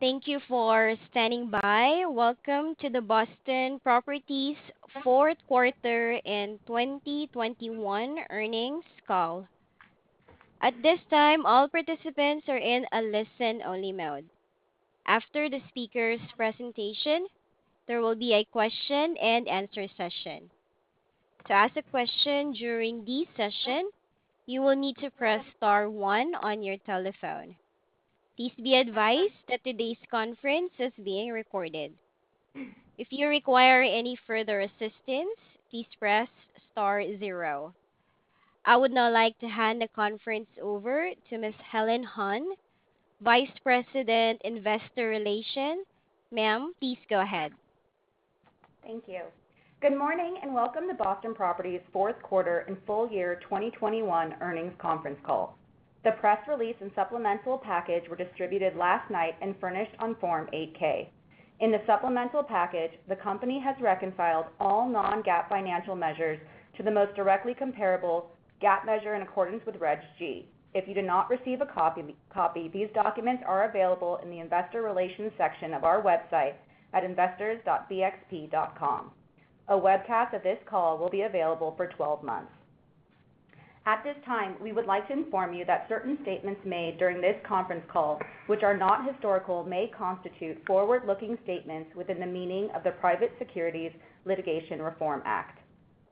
Thank you for standing by. Welcome to the Boston Properties fourth quarter in 2021 earnings call. At this time, all participants are in a listen-only mode. After the speaker's presentation, there will be a question-and-answer session. To ask a question during this session, you will need to press star one on your telephone. Please be advised that today's conference is being recorded. If you require any further assistance, please press star zero. I would now like to hand the conference over to Ms. Helen Han, Vice President, Investor Relations. Ma'am, please go ahead. Thank you. Good morning and welcome to Boston Properties fourth quarter and full year 2021 earnings conference call. The press release and supplemental package were distributed last night and furnished on Form 8-K. In the supplemental package, the company has reconciled all non-GAAP financial measures to the most directly comparable GAAP measure in accordance with Reg G. If you did not receive a copy, these documents are available in the investor relations section of our website at investors.bxp.com. A webcast of this call will be available for 12 months. At this time, we would like to inform you that certain statements made during this conference call, which are not historical, may constitute forward-looking statements within the meaning of the Private Securities Litigation Reform Act.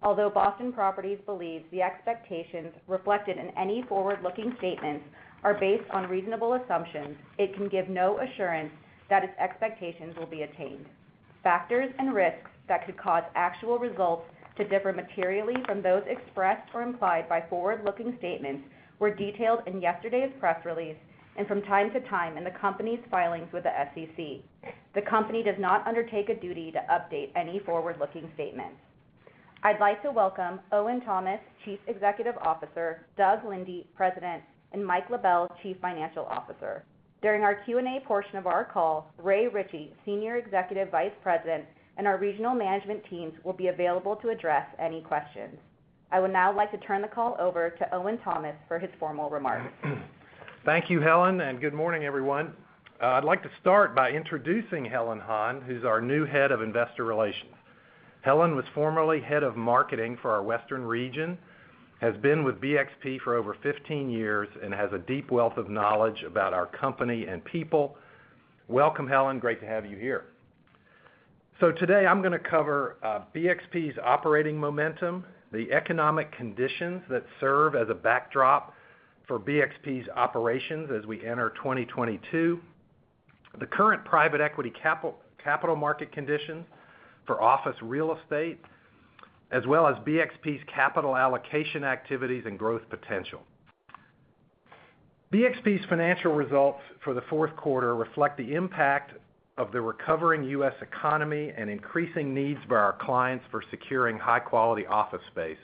Although Boston Properties believes the expectations reflected in any forward-looking statements are based on reasonable assumptions, it can give no assurance that its expectations will be attained. Factors and risks that could cause actual results to differ materially from those expressed or implied by forward-looking statements were detailed in yesterday's press release, and from time to time in the company's filings with the SEC. The company does not undertake a duty to update any forward-looking statements. I'd like to welcome Owen Thomas, Chief Executive Officer, Doug Linde, President, and Mike LaBelle, Chief Financial Officer. During our Q&A portion of our call, Ray Ritchie, Senior Executive Vice President, and our regional management teams will be available to address any questions. I would now like to turn the call over to Owen Thomas for his formal remarks. Thank you, Helen, and good morning, everyone. I'd like to start by introducing Helen Han, who's our new Head of Investor Relations. Helen was formerly Head of Marketing for our Western region, has been with BXP for over 15 years and has a deep wealth of knowledge about our company and people. Welcome, Helen. Great to have you here. Today I'm gonna cover BXP's operating momentum, the economic conditions that serve as a backdrop for BXP's operations as we enter 2022, the current private equity capital market conditions for office real estate, as well as BXP's capital allocation activities and growth potential. BXP's financial results for the fourth quarter reflect the impact of the recovering U.S. economy and increasing needs for our clients for securing high-quality office space.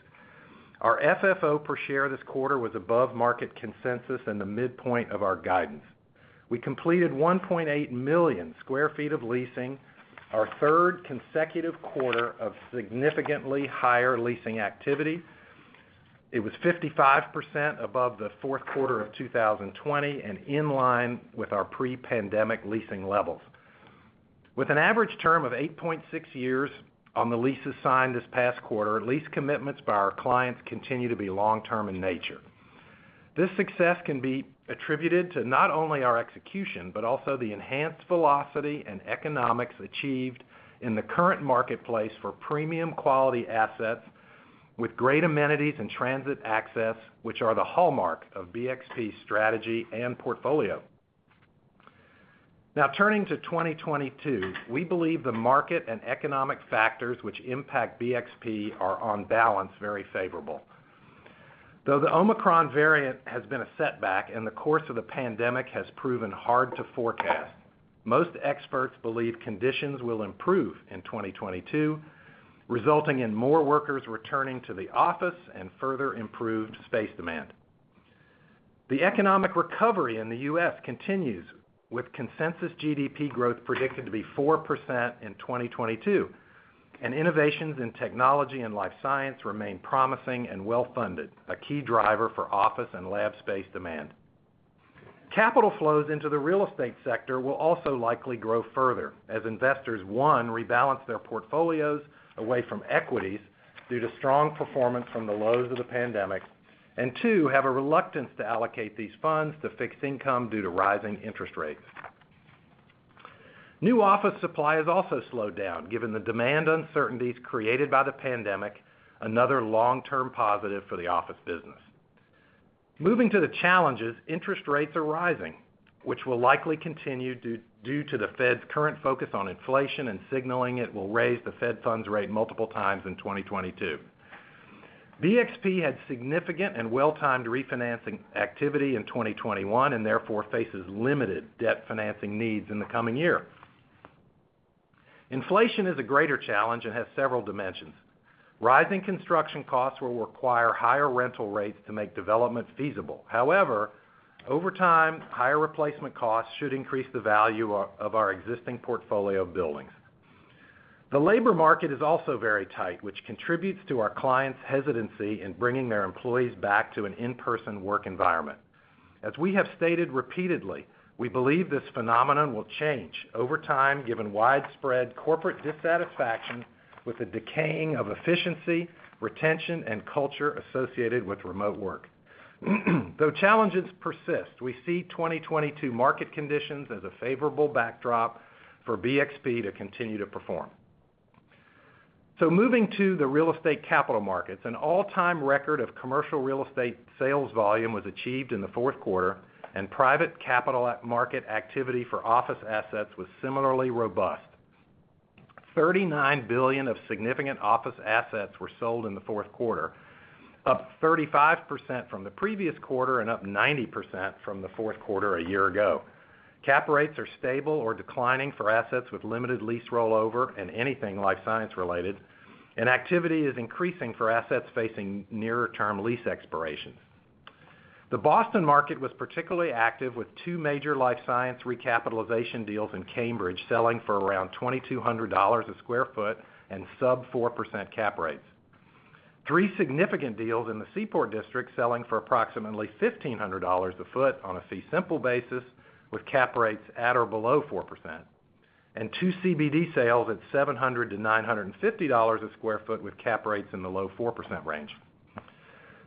Our FFO per share this quarter was above market consensus and the midpoint of our guidance. We completed 1.8 million sq ft of leasing, our third consecutive quarter of significantly higher leasing activity. It was 55% above the fourth quarter of 2020, and in line with our pre-pandemic leasing levels. With an average term of 8.6 years on the leases signed this past quarter, lease commitments by our clients continue to be long-term in nature. This success can be attributed to not only our execution, but also the enhanced velocity and economics achieved in the current marketplace for premium quality assets with great amenities and transit access, which are the hallmark of BXP's strategy and portfolio. Now, turning to 2022, we believe the market and economic factors which impact BXP are on balance very favorable. Though the Omicron variant has been a setback and the course of the pandemic has proven hard to forecast, most experts believe conditions will improve in 2022, resulting in more workers returning to the office and further improved space demand. The economic recovery in the U.S. continues, with consensus GDP growth predicted to be 4% in 2022, and innovations in technology and life science remain promising and well-funded, a key driver for office and lab space demand. Capital flows into the real estate sector will also likely grow further as investors, one, rebalance their portfolios away from equities due to strong performance from the lows of the pandemic, and two, have a reluctance to allocate these funds to fixed income due to rising interest rates. New office supply has also slowed down given the demand uncertainties created by the pandemic, another long-term positive for the office business. Moving to the challenges, interest rates are rising, which will likely continue due to the Fed's current focus on inflation and signaling it will raise the Fed funds rate multiple times in 2022. BXP had significant and well-timed refinancing activity in 2021 and therefore faces limited debt financing needs in the coming year. Inflation is a greater challenge and has several dimensions. Rising construction costs will require higher rental rates to make developments feasible. However, over time, higher replacement costs should increase the value of our existing portfolio of buildings. The labor market is also very tight, which contributes to our clients' hesitancy in bringing their employees back to an in-person work environment. As we have stated repeatedly, we believe this phenomenon will change over time, given widespread corporate dissatisfaction with the decaying of efficiency, retention, and culture associated with remote work. Though challenges persist, we see 2022 market conditions as a favorable backdrop for BXP to continue to perform. Moving to the real estate capital markets, an all-time record of commercial real estate sales volume was achieved in the fourth quarter, and private capital at market activity for office assets was similarly robust. $39 billion of significant office assets were sold in the fourth quarter, up 35% from the previous quarter and up 90% from the fourth quarter a year ago. Cap rates are stable or declining for assets with limited lease rollover and anything life science related, and activity is increasing for assets facing nearer-term lease expirations. The Boston market was particularly active with two major life science recapitalization deals in Cambridge selling for around $2,200 a sq ft and sub 4% cap rates. Three significant deals in the Seaport district selling for approximately $1,500/sq ft on a fee simple basis, with cap rates at or below 4%, and two CBD sales at $700-$950/sq ft, with cap rates in the low 4% range.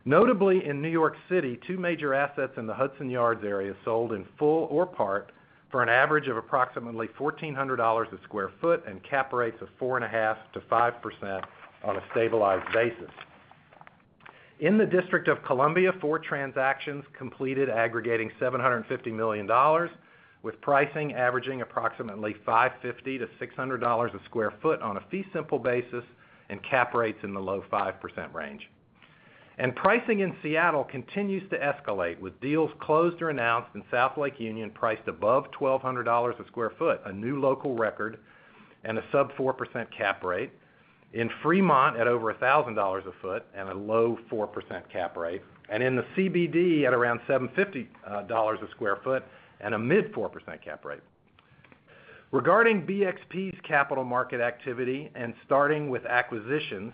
Notably, in New York City, two major assets in the Hudson Yards area sold in full or part for an average of approximately $1,400/sq ft and cap rates of 4.5%-5% on a stabilized basis. In the District of Columbia, four transactions completed aggregating $750 million, with pricing averaging approximately $550-$600/sq ft on a fee simple basis and cap rates in the low 5% range. Pricing in Seattle continues to escalate, with deals closed or announced in South Lake Union priced above $1,200/sq ft, a new local record, and a sub-4% cap rate, in Fremont at over $1,000/sq ft and a low 4% cap rate, and in the CBD at around $750/sq ft and a mid-4% cap rate. Regarding BXP's capital market activity and starting with acquisitions,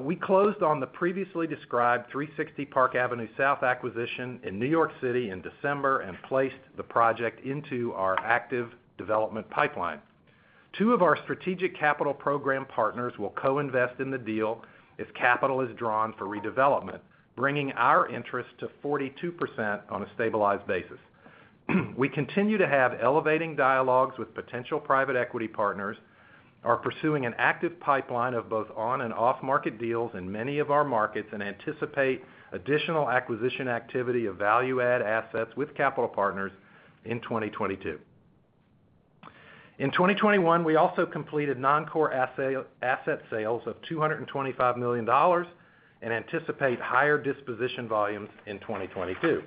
we closed on the previously described 360 Park Avenue South acquisition in New York City in December and placed the project into our active development pipeline. Two of our strategic capital program partners will co-invest in the deal as capital is drawn for redevelopment, bringing our interest to 42% on a stabilized basis. We continue to have elevating dialogues with potential private equity partners, are pursuing an active pipeline of both on and off-market deals in many of our markets, and anticipate additional acquisition activity of value add assets with capital partners in 2022. In 2021, we also completed non-core asset sales of $225 million and anticipate higher disposition volumes in 2022.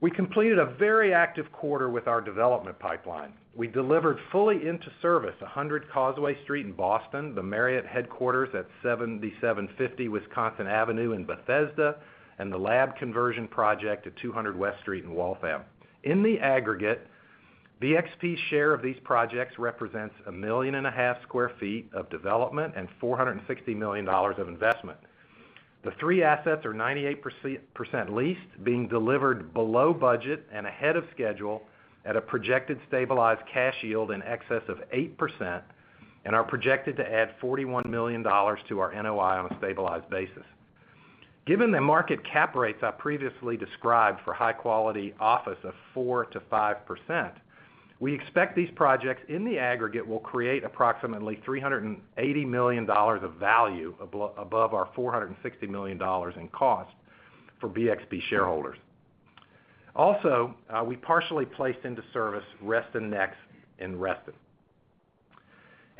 We completed a very active quarter with our development pipeline. We delivered fully into service 100 Causeway Street in Boston, the Marriott headquarters at 7750 Wisconsin Avenue in Bethesda, and the lab conversion project at 200 West Street in Waltham. In the aggregate, BXP's share of these projects represents 1.5 million sq ft of development and $460 million of investment. The three assets are 98% leased, being delivered below budget and ahead of schedule at a projected stabilized cash yield in excess of 8% and are projected to add $41 million to our NOI on a stabilized basis. Given the market cap rates I previously described for high-quality office of 4%-5%, we expect these projects in the aggregate will create approximately $380 million of value above our $460 million in cost for BXP shareholders. Also, we partially placed into service Reston Next in Reston.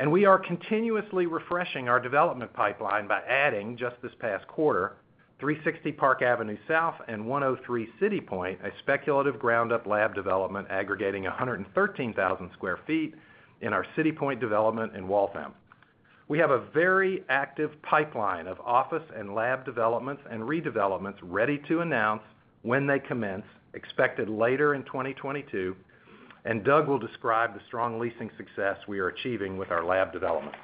We are continuously refreshing our development pipeline by adding, just this past quarter, 360 Park Avenue South and 103 CityPoint, a speculative ground-up lab development aggregating 113,000 sq ft in our CityPoint development in Waltham. We have a very active pipeline of office and lab developments and redevelopments ready to announce when they commence, expected later in 2022, and Doug will describe the strong leasing success we are achieving with our lab developments.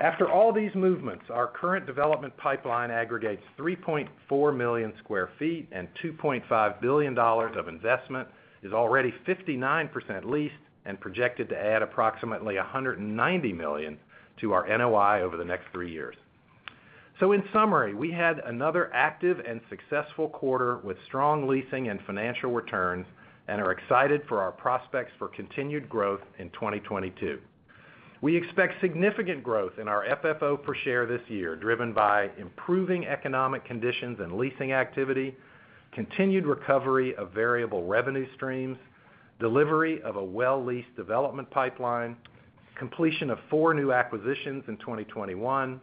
After all these movements, our current development pipeline aggregates 3.4 million sq ft and $2.5 billion of investment is already 59% leased and projected to add approximately $190 million to our NOI over the next three years. In summary, we had another active and successful quarter with strong leasing and financial returns and are excited for our prospects for continued growth in 2022. We expect significant growth in our FFO per share this year, driven by improving economic conditions and leasing activity, continued recovery of variable revenue streams, delivery of a well-leased development pipeline, completion of four new acquisitions in 2021,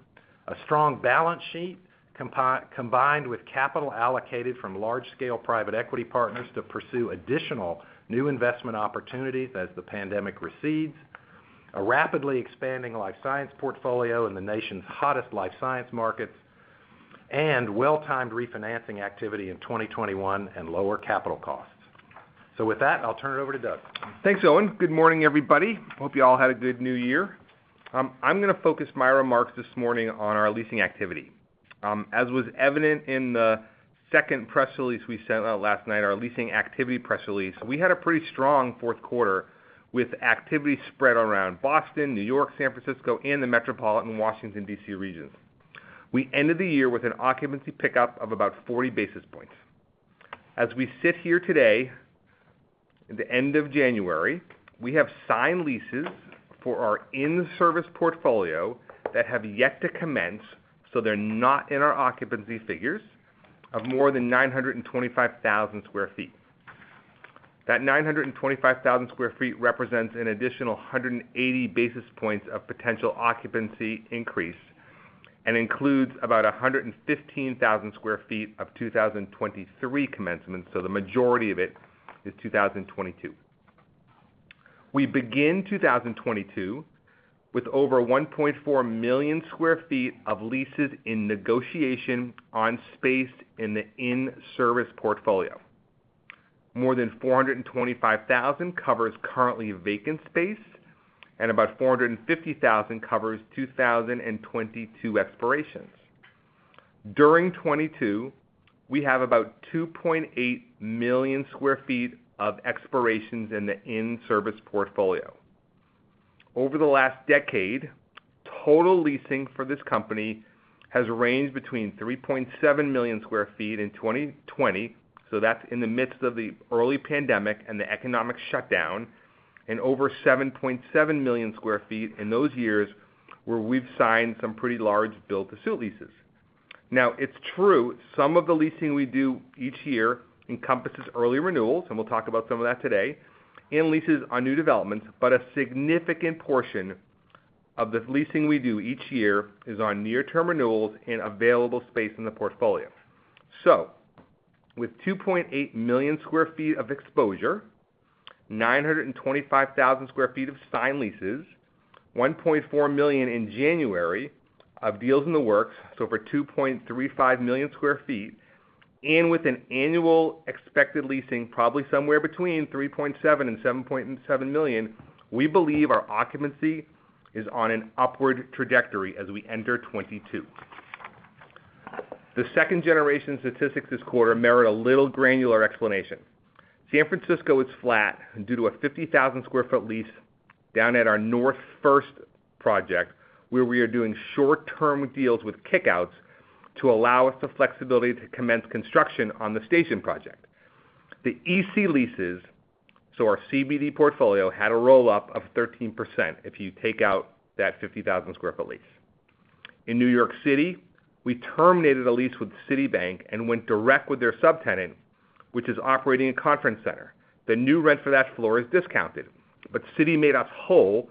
a strong balance sheet combined with capital allocated from large-scale private equity partners to pursue additional new investment opportunities as the pandemic recedes, a rapidly expanding life science portfolio in the nation's hottest life science markets. Well-timed refinancing activity in 2021 and lower capital costs. With that, I'll turn it over to Doug. Thanks, Owen. Good morning, everybody. Hope you all had a good New Year. I'm gonna focus my remarks this morning on our leasing activity. As was evident in the second press release we sent out last night, our leasing activity press release, we had a pretty strong fourth quarter with activity spread around Boston, New York, San Francisco, and the metropolitan Washington, D.C. regions. We ended the year with an occupancy pickup of about 40 basis points. As we sit here today, the end of January, we have signed leases for our in-service portfolio that have yet to commence, so they're not in our occupancy figures, of more than 925,000 sq ft. That 925,000 sq ft represents an additional 180 basis points of potential occupancy increase and includes about 115,000 sq ft of 2023 commencement, so the majority of it is 2022. We begin 2022 with over 1.4 million sq ft of leases in negotiation on space in the in-service portfolio. More than 425,000 covers currently vacant space, and about 450,000 covers 2022 expirations. During 2022, we have about 2.8 million sq ft of expirations in the in-service portfolio. Over the last decade, total leasing for this company has ranged between 3.7 million sq ft in 2020, so that's in the midst of the early pandemic and the economic shutdown, and over 7.7 million sq ft in those years where we've signed some pretty large build-to-suit leases. Now, it's true some of the leasing we do each year encompasses early renewals, and we'll talk about some of that today, and leases on new developments, but a significant portion of the leasing we do each year is on near-term renewals and available space in the portfolio. With 2.8 million sq ft of exposure, 925,000 sq ft of signed leases, 1.4 million sq ft in January of deals in the works, so for 2.35 million sq ft, and with an annual expected leasing probably somewhere between 3.7 million sq ft-7.7 million sq ft, we believe our occupancy is on an upward trajectory as we enter 2022. The second generation statistics this quarter merit a little granular explanation. San Francisco is flat due to a 50,000 sq ft lease down at our North First project, where we are doing short-term deals with kick-outs to allow us the flexibility to commence construction on the station project. The SF leases, so our CBD portfolio, had a roll-up of 13% if you take out that 50,000 sq ft lease. In New York City, we terminated a lease with Citibank and went direct with their subtenant, which is operating a conference center. The new rent for that floor is discounted, but Citi made us whole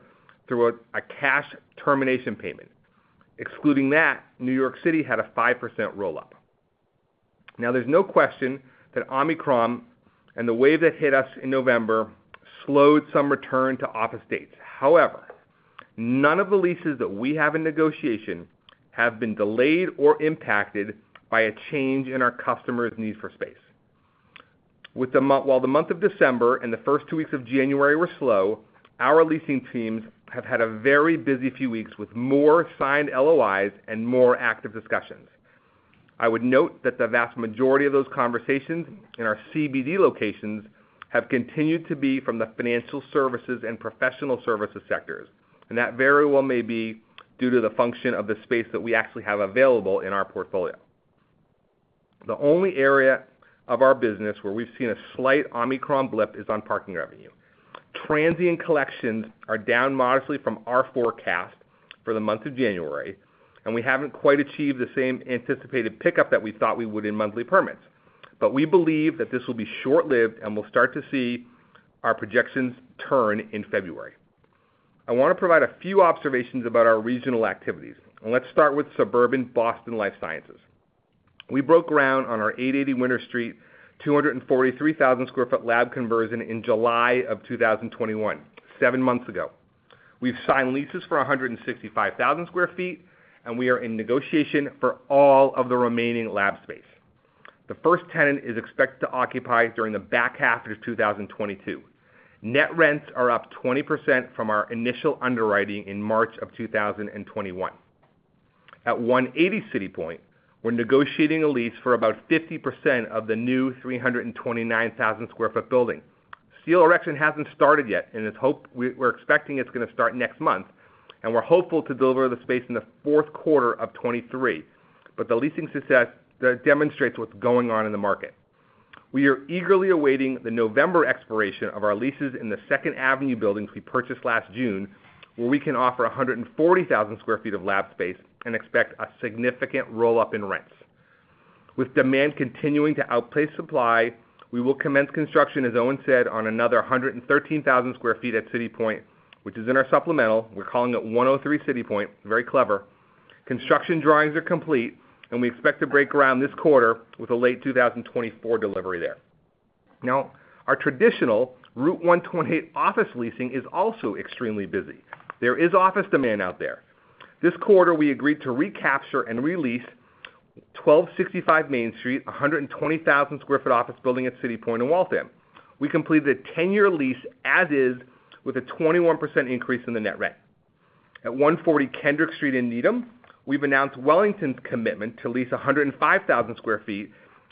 through a cash termination payment. Excluding that, New York City had a 5% roll-up. Now, there's no question that Omicron and the wave that hit us in November slowed some return to office dates. However, none of the leases that we have in negotiation have been delayed or impacted by a change in our customers' need for space. While the month of December and the first two weeks of January were slow, our leasing teams have had a very busy few weeks with more signed LOIs and more active discussions. I would note that the vast majority of those conversations in our CBD locations have continued to be from the financial services and professional services sectors. That very well may be due to the function of the space that we actually have available in our portfolio. The only area of our business where we've seen a slight Omicron blip is on parking revenue. Transient collections are down modestly from our forecast for the month of January, and we haven't quite achieved the same anticipated pickup that we thought we would in monthly permits. We believe that this will be short-lived, and we'll start to see our projections turn in February. I wanna provide a few observations about our regional activities, and let's start with suburban Boston life sciences. We broke ground on our 880 Winter Street 243,000 sq ft lab conversion in July 2021, seven months ago. We've signed leases for 165,000 sq ft, and we are in negotiation for all of the remaining lab space. The first tenant is expected to occupy during the back half of 2022. Net rents are up 20% from our initial underwriting in March 2021. At 180 City Point, we're negotiating a lease for about 50% of the new 329,000 sq ft building. Steel erection hasn't started yet, and we're expecting it's gonna start next month, and we're hopeful to deliver the space in the fourth quarter of 2023, but the leasing success that demonstrates what's going on in the market. We are eagerly awaiting the November expiration of our leases in the Second Avenue buildings we purchased last June, where we can offer 140,000 sq ft of lab space and expect a significant roll-up in rents. With demand continuing to outpace supply, we will commence construction, as Owen said, on another 113,000 sq ft at CityPoint, which is in our supplemental. We're calling it 103 CityPoint. Very clever. Construction drawings are complete, and we expect to break ground this quarter with a late 2024 delivery there. Our traditional Route 128 office leasing is also extremely busy. There is office demand out there. This quarter, we agreed to recapture and re-lease 1265 Main Street, a 120,000 sq ft office building at CityPoint in Waltham. We completed a 10-year lease as is with a 21% increase in the net rent. At 140 Kendrick Street in Needham, we've announced Wellington's commitment to lease 105,000 sq ft,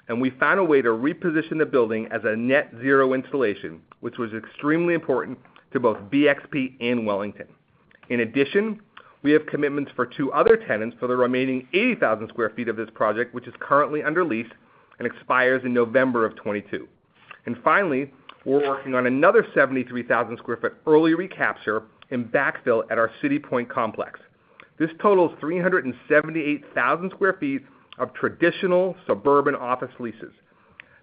and we found a way to reposition the building as a net zero installation, which was extremely important to both BXP and Wellington. In addition, we have commitments for two other tenants for the remaining 80,000 sq ft of this project, which is currently under lease and expires in November 2022. Finally, we're working on another 73,000 sq ft early recapture in Back Bay at our CityPoint complex. This totals 378,000 sq ft of traditional suburban office leases.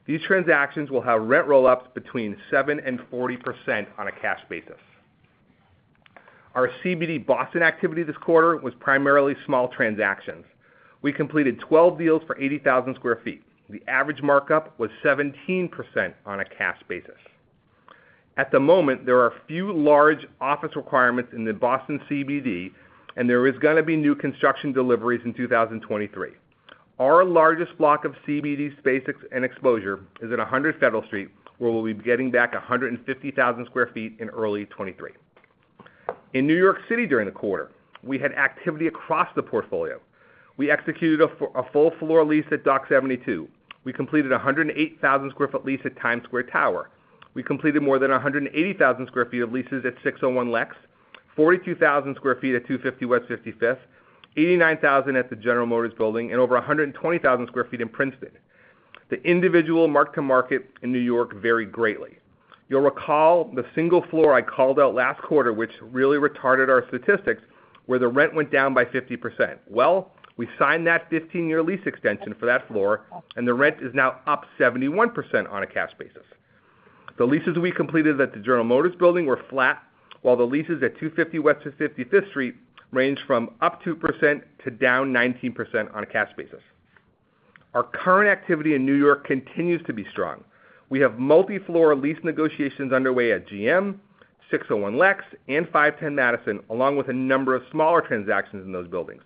These transactions will have rent roll-ups between 7% and 40% on a cash basis. Our CBD Boston activity this quarter was primarily small transactions. We completed 12 deals for 80,000 sq ft. The average markup was 17% on a cash basis. At the moment, there are a few large office requirements in the Boston CBD, and there is gonna be new construction deliveries in 2023. Our largest block of CBD space and exposure is at 100 Federal Street, where we'll be getting back 150,000 sq ft in early 2023. In New York City during the quarter, we had activity across the portfolio. We executed a full floor lease at Dock 72. We completed a 108,000 sq ft lease at Times Square Tower. We completed more than 180,000 sq ft of leases at 601 Lex, 42,000 sq ft at 250 West 55th, 89,000 at the General Motors Building, and over 120,000 sq ft in Princeton. The individual mark-to-market in New York vary greatly. You'll recall the single floor I called out last quarter, which really retarded our statistics, where the rent went down by 50%. Well, we signed that 15-year lease extension for that floor, and the rent is now up 71% on a cash basis. The leases we completed at the General Motors Building were flat, while the leases at 250 West 55th Street range from up 2% to down 19% on a cash basis. Our current activity in New York continues to be strong. We have multi-floor lease negotiations underway at GM, 601 Lex, and 510 Madison, along with a number of smaller transactions in those buildings.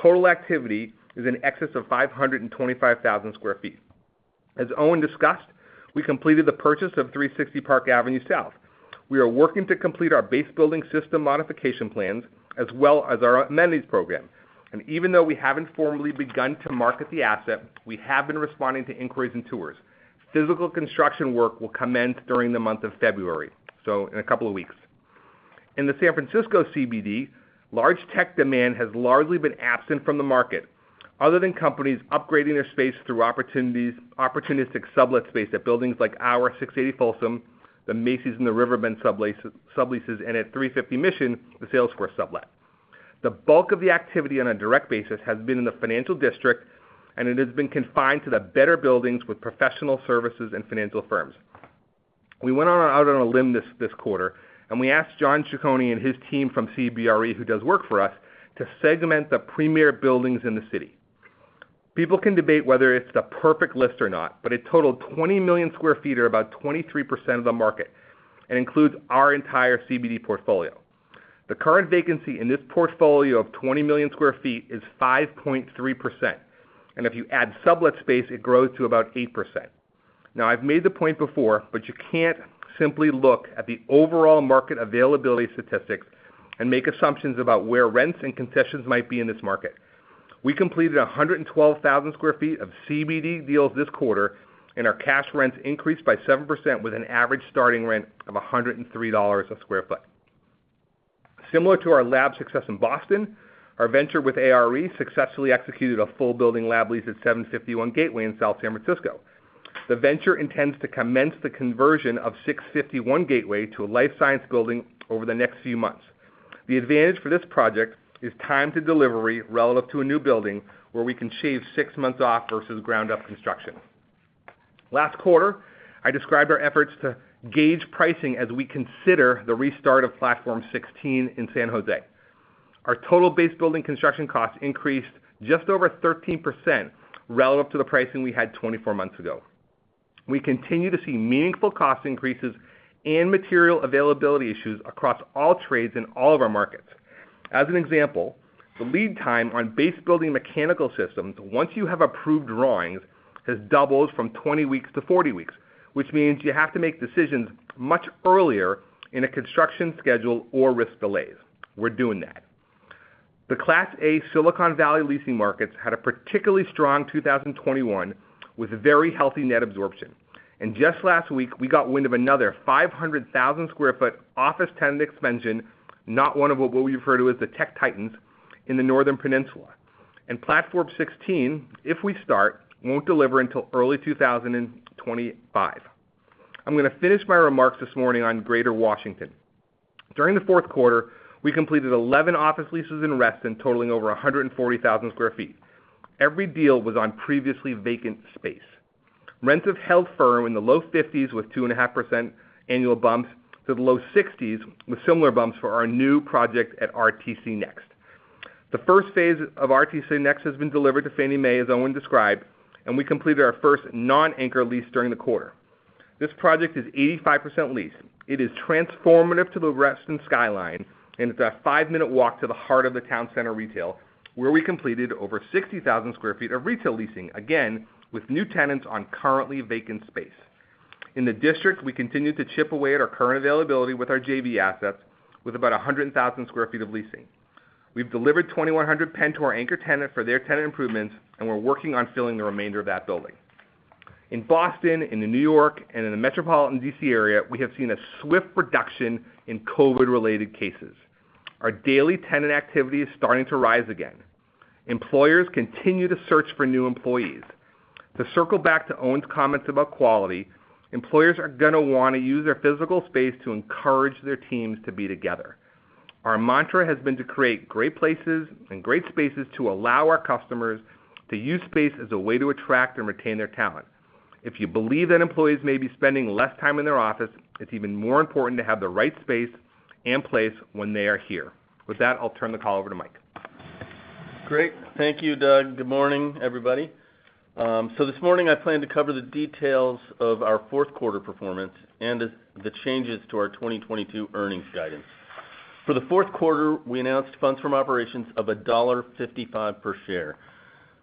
Total activity is in excess of 525,000 sq ft. As Owen discussed, we completed the purchase of 360 Park Avenue South. We are working to complete our base building system modification plans as well as our amenities program. Even though we haven't formally begun to market the asset, we have been responding to inquiries and tours. Physical construction work will commence during the month of February, so in a couple of weeks. In the San Francisco CBD, large tech demand has largely been absent from the market, other than companies upgrading their space through opportunistic sublet space at buildings like our 680 Folsom, the Macy's and the Riverbend subleases, and at 350 Mission, the Salesforce sublet. The bulk of the activity on a direct basis has been in the financial district, and it has been confined to the better buildings with professional services and financial firms. We went out on a limb this quarter, and we asked John Cecconi and his team from CBRE, who does work for us, to segment the premier buildings in the city. People can debate whether it's the perfect list or not, but it totaled 20 million sq ft or about 23% of the market and includes our entire CBD portfolio. The current vacancy in this portfolio of 20 million sq ft is 5.3%. If you add sublet space, it grows to about 8%. Now, I've made the point before, but you can't simply look at the overall market availability statistics and make assumptions about where rents and concessions might be in this market. We completed 112,000 sq ft of CBD deals this quarter, and our cash rents increased by 7% with an average starting rent of $103 a sq ft. Similar to our lab success in Boston, our venture with ARE successfully executed a full building lab lease at 751 Gateway in South San Francisco. The venture intends to commence the conversion of 651 Gateway to a life science building over the next few months. The advantage for this project is time to delivery relative to a new building, where we can shave 6 months off versus ground up construction. Last quarter, I described our efforts to gauge pricing as we consider the restart of Platform 16 in San Jose. Our total base building construction cost increased just over 13% relative to the pricing we had 24 months ago. We continue to see meaningful cost increases and material availability issues across all trades in all of our markets. As an example, the lead time on base building mechanical systems, once you have approved drawings, has doubled from 20 weeks to 40 weeks, which means you have to make decisions much earlier in a construction schedule or risk delays. We're doing that. The Class A Silicon Valley leasing markets had a particularly strong 2021 with very healthy net absorption. Just last week, we got wind of another 500,000 sq ft office tenant expansion, not one of what we refer to as the tech titans, in the Northern Peninsula. Platform 16, if we start, won't deliver until early 2025. I'm gonna finish my remarks this morning on Greater Washington. During the fourth quarter, we completed 11 office leases in Reston, totaling over 140,000 sq ft. Every deal was on previously vacant space. Rents have held firm in the low $50s, with 2.5% annual bumps to the low $60s, with similar bumps for our new project at RTC Next. The first phase of RTC Next has been delivered to Fannie Mae, as Owen described, and we completed our first non-anchor lease during the quarter. This project is 85% leased. It is transformative to the Reston skyline, and it's a five-minute walk to the heart of the town center retail, where we completed over 60,000 sq ft of retail leasing, again, with new tenants on currently vacant space. In the district, we continue to chip away at our current availability with our JV assets with about 100,000 sq ft of leasing. We've delivered 2100 Penn to our anchor tenant for their tenant improvements, and we're working on filling the remainder of that building. In Boston, in New York, and in the metropolitan D.C. area, we have seen a swift reduction in COVID-related cases. Our daily tenant activity is starting to rise again. Employers continue to search for new employees. To circle back to Owen's comments about quality, employers are gonna wanna use their physical space to encourage their teams to be together. Our mantra has been to create great places and great spaces to allow our customers to use space as a way to attract and retain their talent. If you believe that employees may be spending less time in their office, it's even more important to have the right space and place when they are here. With that, I'll turn the call over to Mike. Great. Thank you, Doug. Good morning, everybody. This morning I plan to cover the details of our fourth quarter performance and the changes to our 2022 earnings guidance. For the fourth quarter, we announced funds from operations of $1.55 per share,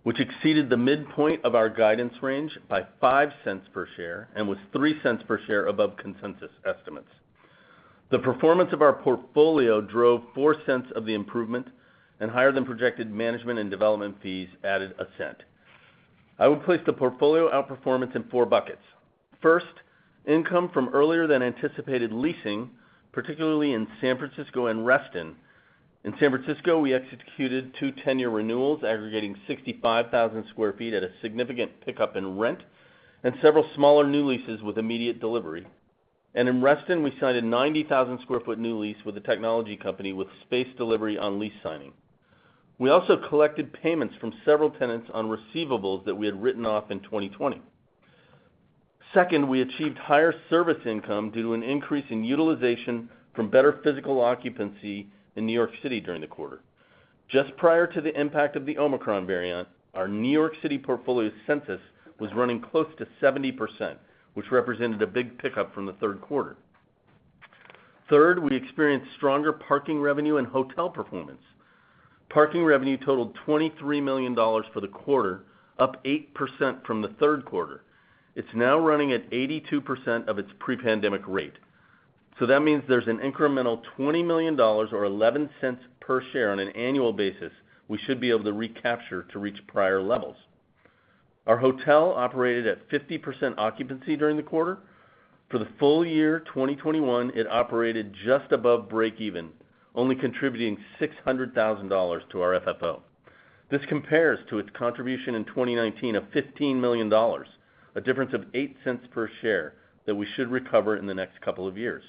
which exceeded the midpoint of our guidance range by $0.05 per share and was $0.03 per share above consensus estimates. The performance of our portfolio drove $0.04 of the improvement and higher than projected management and development fees added $0.01. I would place the portfolio outperformance in four buckets. First, income from earlier than anticipated leasing, particularly in San Francisco and Reston. In San Francisco, we executed two ten-year renewals aggregating 65,000 sq ft at a significant pickup in rent and several smaller new leases with immediate delivery. In Reston, we signed a 90,000 sq ft new lease with a technology company with space delivery on lease signing. We also collected payments from several tenants on receivables that we had written off in 2020. Second, we achieved higher service income due to an increase in utilization from better physical occupancy in New York City during the quarter. Just prior to the impact of the Omicron variant, our New York City portfolio census was running close to 70%, which represented a big pickup from the third quarter. Third, we experienced stronger parking revenue and hotel performance. Parking revenue totaled $23 million for the quarter, up 8% from the third quarter. It's now running at 82% of its pre-pandemic rate. That means there's an incremental $20 million or 11 cents per share on an annual basis we should be able to recapture to reach prior levels. Our hotel operated at 50% occupancy during the quarter. For the full year, 2021, it operated just above break even, only contributing $600,000 to our FFO. This compares to its contribution in 2019 of $15 million, a difference of $0.08 Per share that we should recover in the next couple of years.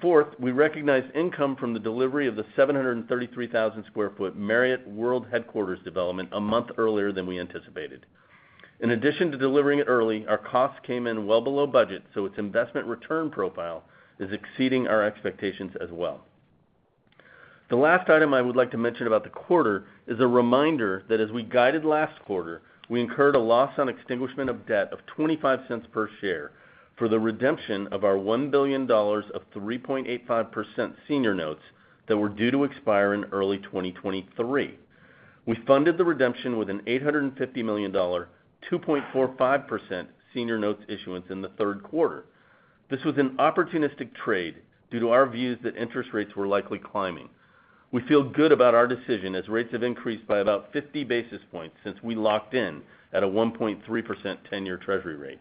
Fourth, we recognized income from the delivery of the 733,000 sq ft Marriott World headquarters development a month earlier than we anticipated. In addition to delivering it early, our costs came in well below budget, so its investment return profile is exceeding our expectations as well. The last item I would like to mention about the quarter is a reminder that as we guided last quarter, we incurred a loss on extinguishment of debt of $0.25 per share for the redemption of our $1 billion of 3.85% senior notes that were due to expire in early 2023. We funded the redemption with an $850 million, 2.45% senior notes issuance in the third quarter. This was an opportunistic trade due to our views that interest rates were likely climbing. We feel good about our decision as rates have increased by about 50 basis points since we locked in at a 1.3% ten-year treasury rate.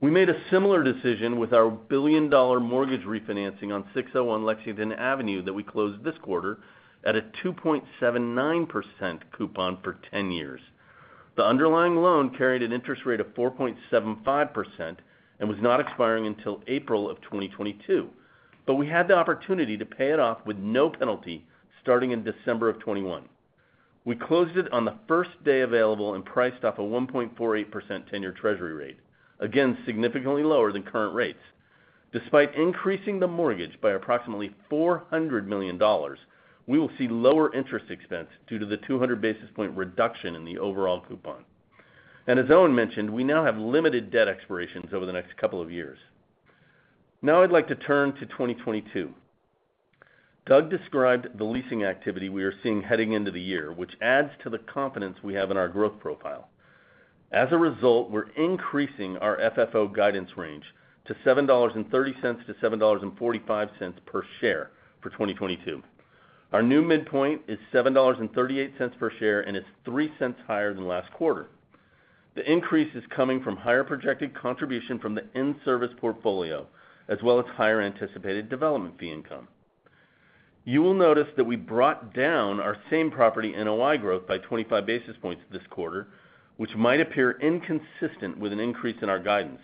We made a similar decision with our $1 billion mortgage refinancing on 601 Lexington Avenue that we closed this quarter at a 2.79% coupon for 10 years. The underlying loan carried an interest rate of 4.75% and was not expiring until April 2022. We had the opportunity to pay it off with no penalty starting in December 2021. We closed it on the first day available and priced off a 1.48% 10-year treasury rate, again, significantly lower than current rates. Despite increasing the mortgage by approximately $400 million, we will see lower interest expense due to the 200 basis point reduction in the overall coupon. As Owen mentioned, we now have limited debt expirations over the next couple of years. Now I'd like to turn to 2022. Doug described the leasing activity we are seeing heading into the year, which adds to the confidence we have in our growth profile. As a result, we're increasing our FFO guidance range to $7.30-$7.45 per share for 2022. Our new midpoint is $7.38 per share, and it's $0.03 Higher than last quarter. The increase is coming from higher projected contribution from the in-service portfolio, as well as higher anticipated development fee income. You will notice that we brought down our same-property NOI growth by 25 basis points this quarter, which might appear inconsistent with an increase in our guidance.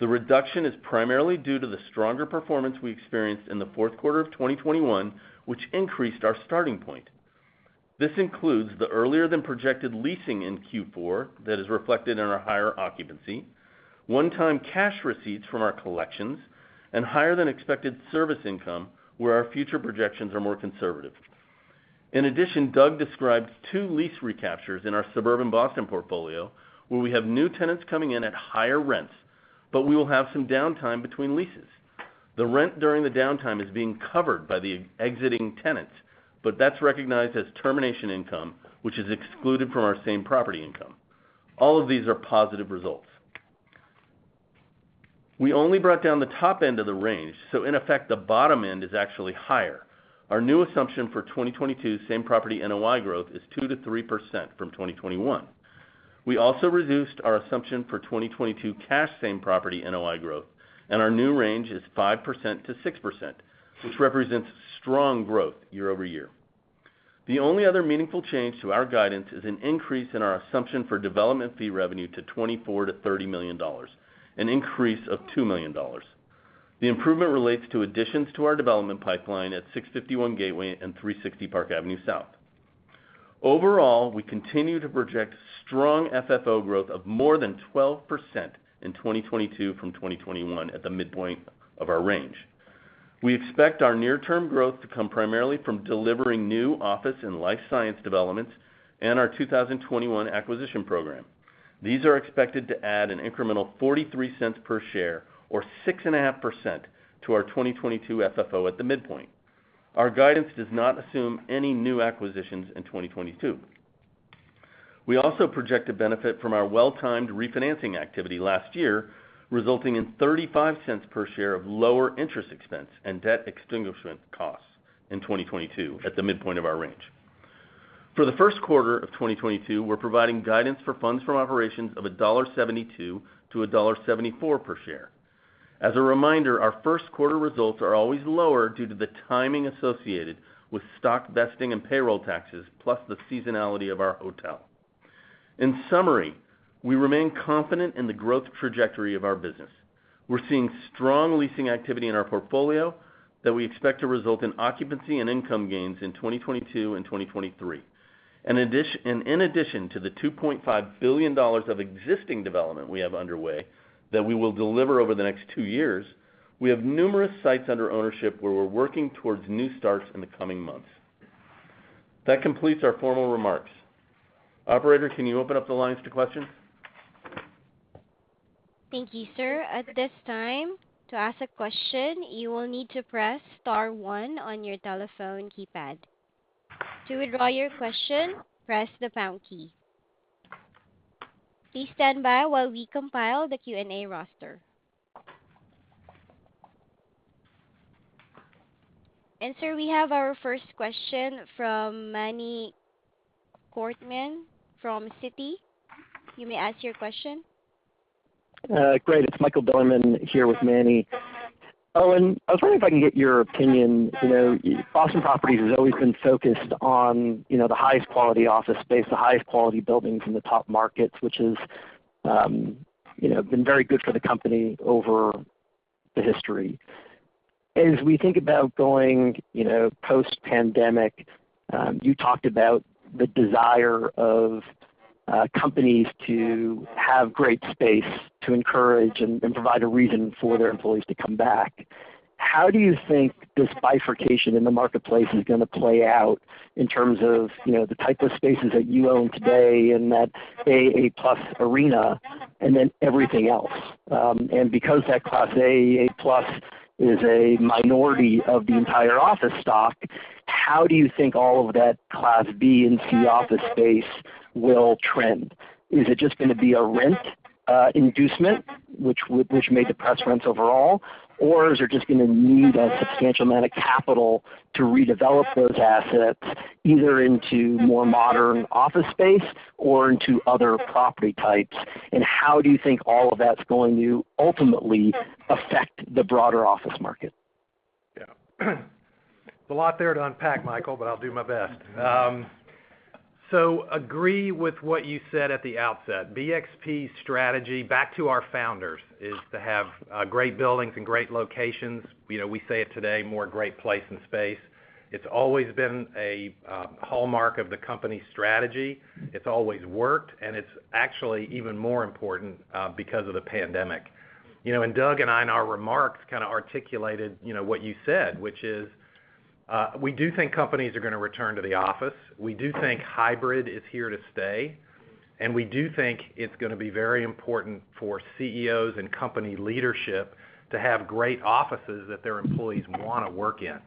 The reduction is primarily due to the stronger performance we experienced in the fourth quarter of 2021, which increased our starting point. This includes the earlier than projected leasing in Q4 that is reflected in our higher occupancy, one-time cash receipts from our collections, and higher than expected service income where our future projections are more conservative. In addition, Doug described two lease recaptures in our suburban Boston portfolio where we have new tenants coming in at higher rents, but we will have some downtime between leases. The rent during the downtime is being covered by the exiting tenants, but that's recognized as termination income, which is excluded from our same property income. All of these are positive results. We only brought down the top end of the range, so in effect, the bottom end is actually higher. Our new assumption for 2022 same property NOI growth is 2%-3% from 2021. We also reduced our assumption for 2022 cash same property NOI growth, and our new range is 5%-6%, which represents strong growth year-over-year. The only other meaningful change to our guidance is an increase in our assumption for development fee revenue to $24 million-$30 million, an increase of $2 million. The improvement relates to additions to our development pipeline at 651 Gateway and 360 Park Avenue South. Overall, we continue to project strong FFO growth of more than 12% in 2022 from 2021 at the midpoint of our range. We expect our near-term growth to come primarily from delivering new office and life science developments and our 2021 acquisition program. These are expected to add an incremental $0.43 per share or 6.5% to our 2022 FFO at the midpoint. Our guidance does not assume any new acquisitions in 2022. We also project a benefit from our well-timed refinancing activity last year, resulting in $0.35 per share of lower interest expense and debt extinguishment costs in 2022 at the midpoint of our range. For the first quarter of 2022, we're providing guidance for funds from operations of $1.72-$1.74 per share. As a reminder, our first quarter results are always lower due to the timing associated with stock vesting and payroll taxes, plus the seasonality of our hotel. In summary, we remain confident in the growth trajectory of our business. We're seeing strong leasing activity in our portfolio that we expect to result in occupancy and income gains in 2022 and 2023. In addition to the $2.5 billion of existing development we have underway that we will deliver over the next two years, we have numerous sites under ownership where we're working towards new starts in the coming months. That completes our formal remarks. Operator, can you open up the lines to questions? Thank you, sir. At this time, to ask a question, you will need to press star one on your telephone keypad. To withdraw your question, press the pound key. Please stand by while we compile the Q&A roster. Sir, we have our first question from Manny Korchman from Citi. You may ask your question. Great. It's Michael Bilerman here with Manny. Owen, I was wondering if I can get your opinion. You know, Boston Properties has always been focused on, you know, the highest quality office space, the highest quality buildings in the top markets, which has, you know, been very good for the company over the history. As we think about going, you know, post-pandemic, you talked about the desire of companies to have great space to encourage and provide a reason for their employees to come back. How do you think this bifurcation in the marketplace is gonna play out in terms of, you know, the type of spaces that you own today in that A-plus arena and then everything else? Because that class A-plus is a minority of the entire office stock, how do you think all of that class B and C office space will trend? Is it just gonna be a rent inducement which may depress rents overall? Is it just gonna need a substantial amount of capital to redevelop those assets either into more modern office space or into other property types? How do you think all of that's going to ultimately affect the broader office market? Yeah. There's a lot there to unpack, Michael, but I'll do my best. Agree with what you said at the outset. BXP strategy, back to our founders, is to have great buildings and great locations. You know, we say it today, more great place and space. It's always been a hallmark of the company's strategy. It's always worked, and it's actually even more important because of the pandemic. You know, and Doug and I in our remarks kind of articulated, you know, what you said, which is we do think companies are gonna return to the office. We do think hybrid is here to stay, and we do think it's gonna be very important for CEOs and company leadership to have great offices that their employees wanna work in.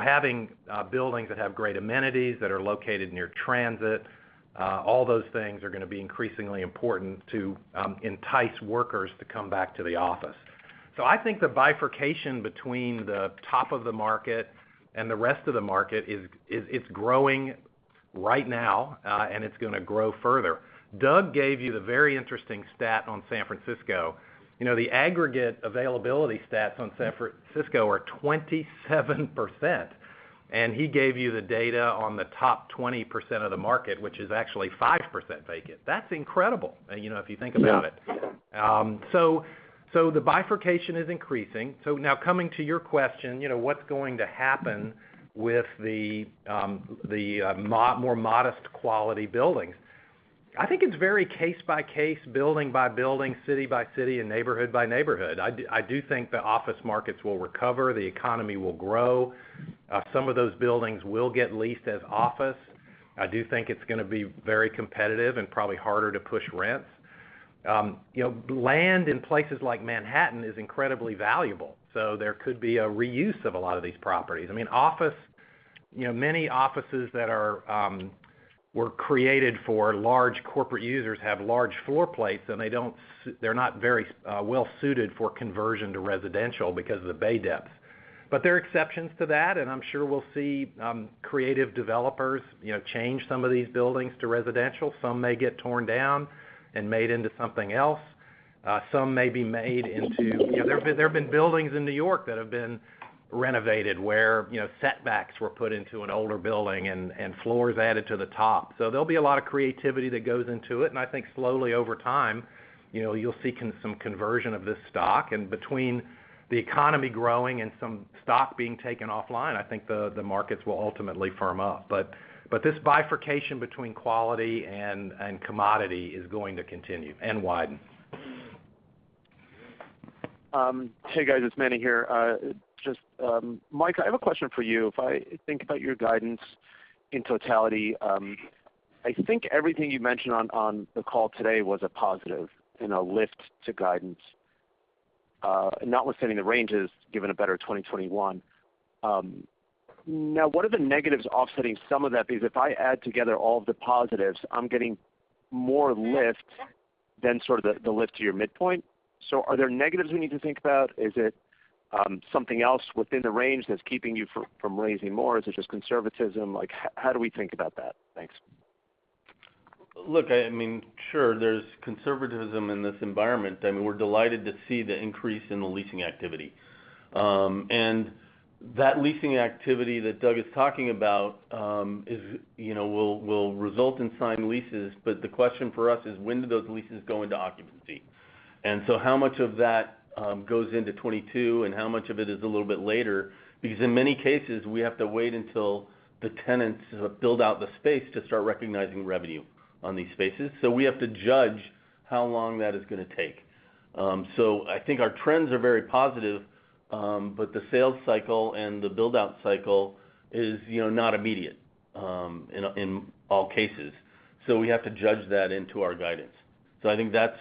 Having buildings that have great amenities, that are located near transit, all those things are gonna be increasingly important to entice workers to come back to the office. I think the bifurcation between the top of the market and the rest of the market is growing right now, and it's gonna grow further. Doug gave you the very interesting stat on San Francisco. You know, the aggregate availability stats on San Francisco are 27%, and he gave you the data on the top 20% of the market, which is actually 5% vacant. That's incredible, you know, if you think about it. The bifurcation is increasing. Now coming to your question, you know, what's going to happen with the more modest quality buildings? I think it's very case by case, building by building, city by city, and neighborhood by neighborhood. I do think the office markets will recover, the economy will grow. Some of those buildings will get leased as office. I do think it's gonna be very competitive and probably harder to push rents. You know, land in places like Manhattan is incredibly valuable, so there could be a reuse of a lot of these properties. I mean, you know, many offices that were created for large corporate users have large floor plates, and they're not very well suited for conversion to residential because of the bay depth. There are exceptions to that, and I'm sure we'll see creative developers, you know, change some of these buildings to residential. Some may get torn down and made into something else. You know, there have been buildings in New York that have been renovated, where, you know, setbacks were put into an older building and floors added to the top. So there'll be a lot of creativity that goes into it, and I think slowly over time, you know, you'll see some conversion of this stock. And between the economy growing and some stock being taken offline, I think the markets will ultimately firm up. But this bifurcation between quality and commodity is going to continue and widen. Hey, guys, it's Manny here. Just, Mike, I have a question for you. If I think about your guidance in totality, I think everything you mentioned on the call today was a positive and a lift to guidance, notwithstanding the ranges, given a better 2021. Now, what are the negatives offsetting some of that? Because if I add together all of the positives, I'm getting more lift than sort of the lift to your midpoint. Are there negatives we need to think about? Is it something else within the range that's keeping you from raising more? Is it just conservatism? Like, how do we think about that? Thanks. Look, I mean, sure, there's conservatism in this environment. I mean, we're delighted to see the increase in the leasing activity. That leasing activity that Doug is talking about is, you know, will result in signed leases. The question for us is, when do those leases go into occupancy? How much of that goes into 2022, and how much of it is a little bit later? Because in many cases, we have to wait until the tenants build out the space to start recognizing revenue on these spaces. We have to judge how long that is gonna take. I think our trends are very positive, but the sales cycle and the build-out cycle is, you know, not immediate, in all cases. We have to judge that into our guidance. I think that's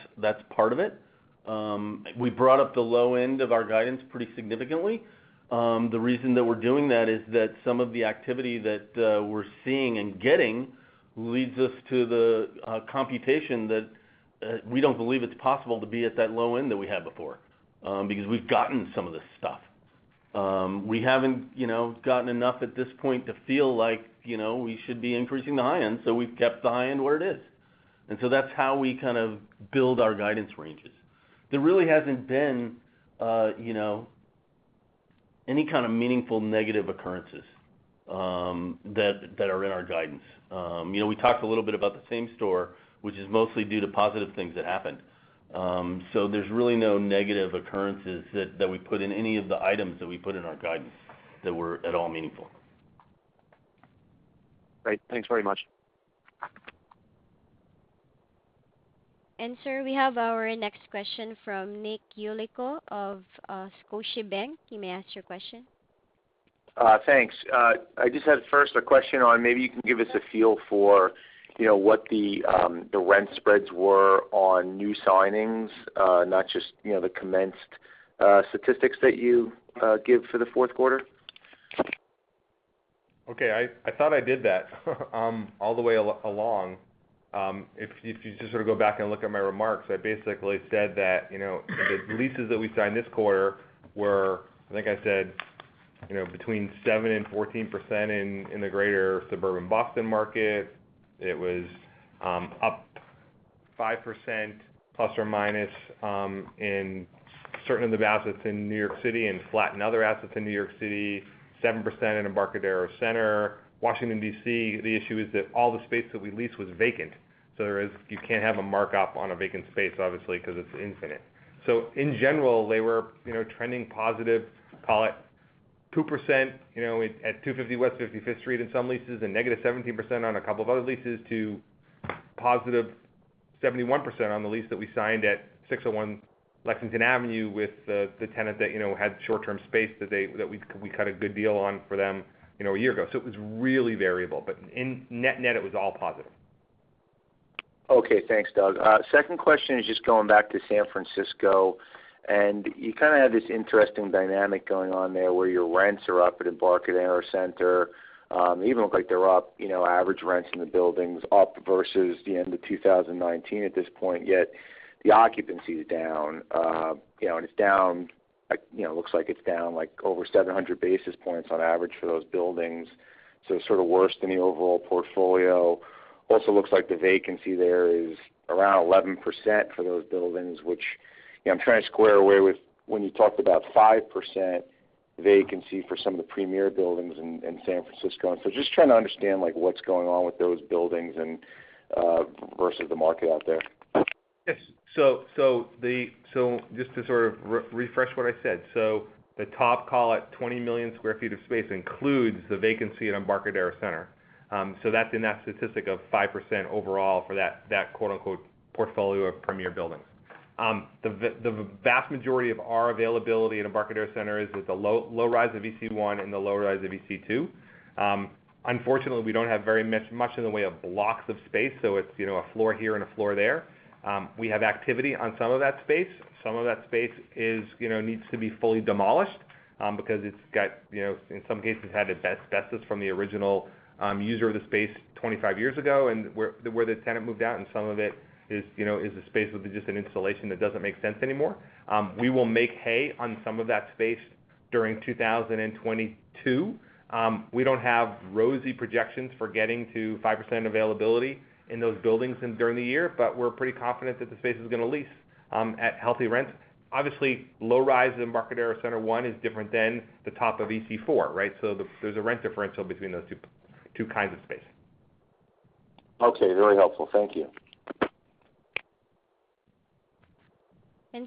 part of it. We brought up the low end of our guidance pretty significantly. The reason that we're doing that is that some of the activity that we're seeing and getting leads us to the computation that we don't believe it's possible to be at that low end that we had before, because we've gotten some of this stuff. We haven't, you know, gotten enough at this point to feel like, you know, we should be increasing the high end, so we've kept the high end where it is. That's how we kind of build our guidance ranges. There really hasn't been, you know, any kind of meaningful negative occurrences that are in our guidance. You know, we talked a little bit about the same store, which is mostly due to positive things that happened. So there's really no negative occurrences that we put in any of the items that we put in our guidance that were at all meaningful. Great. Thanks very much. Sir, we have our next question from Nicholas Yulico of Scotiabank. You may ask your question. Thanks. I just had first a question on maybe you can give us a feel for, you know, what the rent spreads were on new signings, not just, you know, the commenced statistics that you give for the fourth quarter. Okay. I thought I did that all the way along. If you just sort of go back and look at my remarks, I basically said that, you know, the leases that we signed this quarter were, I think I said, you know, between 7% and 14% in the greater suburban Boston market. It was up 5% plus or minus in certain of the assets in New York City and flat in other assets in New York City, 7% in Embarcadero Center. Washington, D.C., the issue is that all the space that we leased was vacant. So there is, you can't have a markup on a vacant space, obviously, because it's infinite. In general, they were, you know, trending positive, call it +2%, you know, at 250 West 55th Street in some leases, and -17% on a couple of other leases, to +71% on the lease that we signed at 601 Lexington Avenue with the tenant that, you know, had short-term space that we cut a good deal on for them, you know, a year ago. It was really variable, but in net-net, it was all positive. Okay. Thanks, Doug. Second question is just going back to San Francisco, you kind of have this interesting dynamic going on there where your rents are up at Embarcadero Center. Even look like they're up, you know, average rents in the buildings up versus the end of 2019 at this point, yet the occupancy is down. You know, and it's down, like, you know, looks like it's down, like, over 700 basis points on average for those buildings. Sort of worse than the overall portfolio. Also looks like the vacancy there is around 11% for those buildings, which, you know, I'm trying to square away with when you talked about 5%. Vacancy for some of the premier buildings in San Francisco. Just trying to understand like what's going on with those buildings and versus the market out there. Yes. Just to sort of refresh what I said. The top call at 20 million sq ft of space includes the vacancy at Embarcadero Center. That's in that statistic of 5% overall for that quote-unquote portfolio of premier buildings. The vast majority of our availability in Embarcadero Center is the low rise of EC-one and the low rise of EC-two. Unfortunately, we don't have very much in the way of blocks of space, so it's, you know, a floor here and a floor there. We have activity on some of that space. Some of that space is, you know, needs to be fully demolished, because it's got, you know, in some cases, had asbestos from the original user of the space 25 years ago, and where the tenant moved out, and some of it is, you know, a space with just an installation that doesn't make sense anymore. We will make hay on some of that space during 2022. We don't have rosy projections for getting to 5% availability in those buildings during the year, but we're pretty confident that the space is gonna lease at healthy rents. Obviously, low rise in Embarcadero Center 1 is different than the top of EC-4, right? There's a rent differential between those two kinds of space. Okay. Very helpful. Thank you.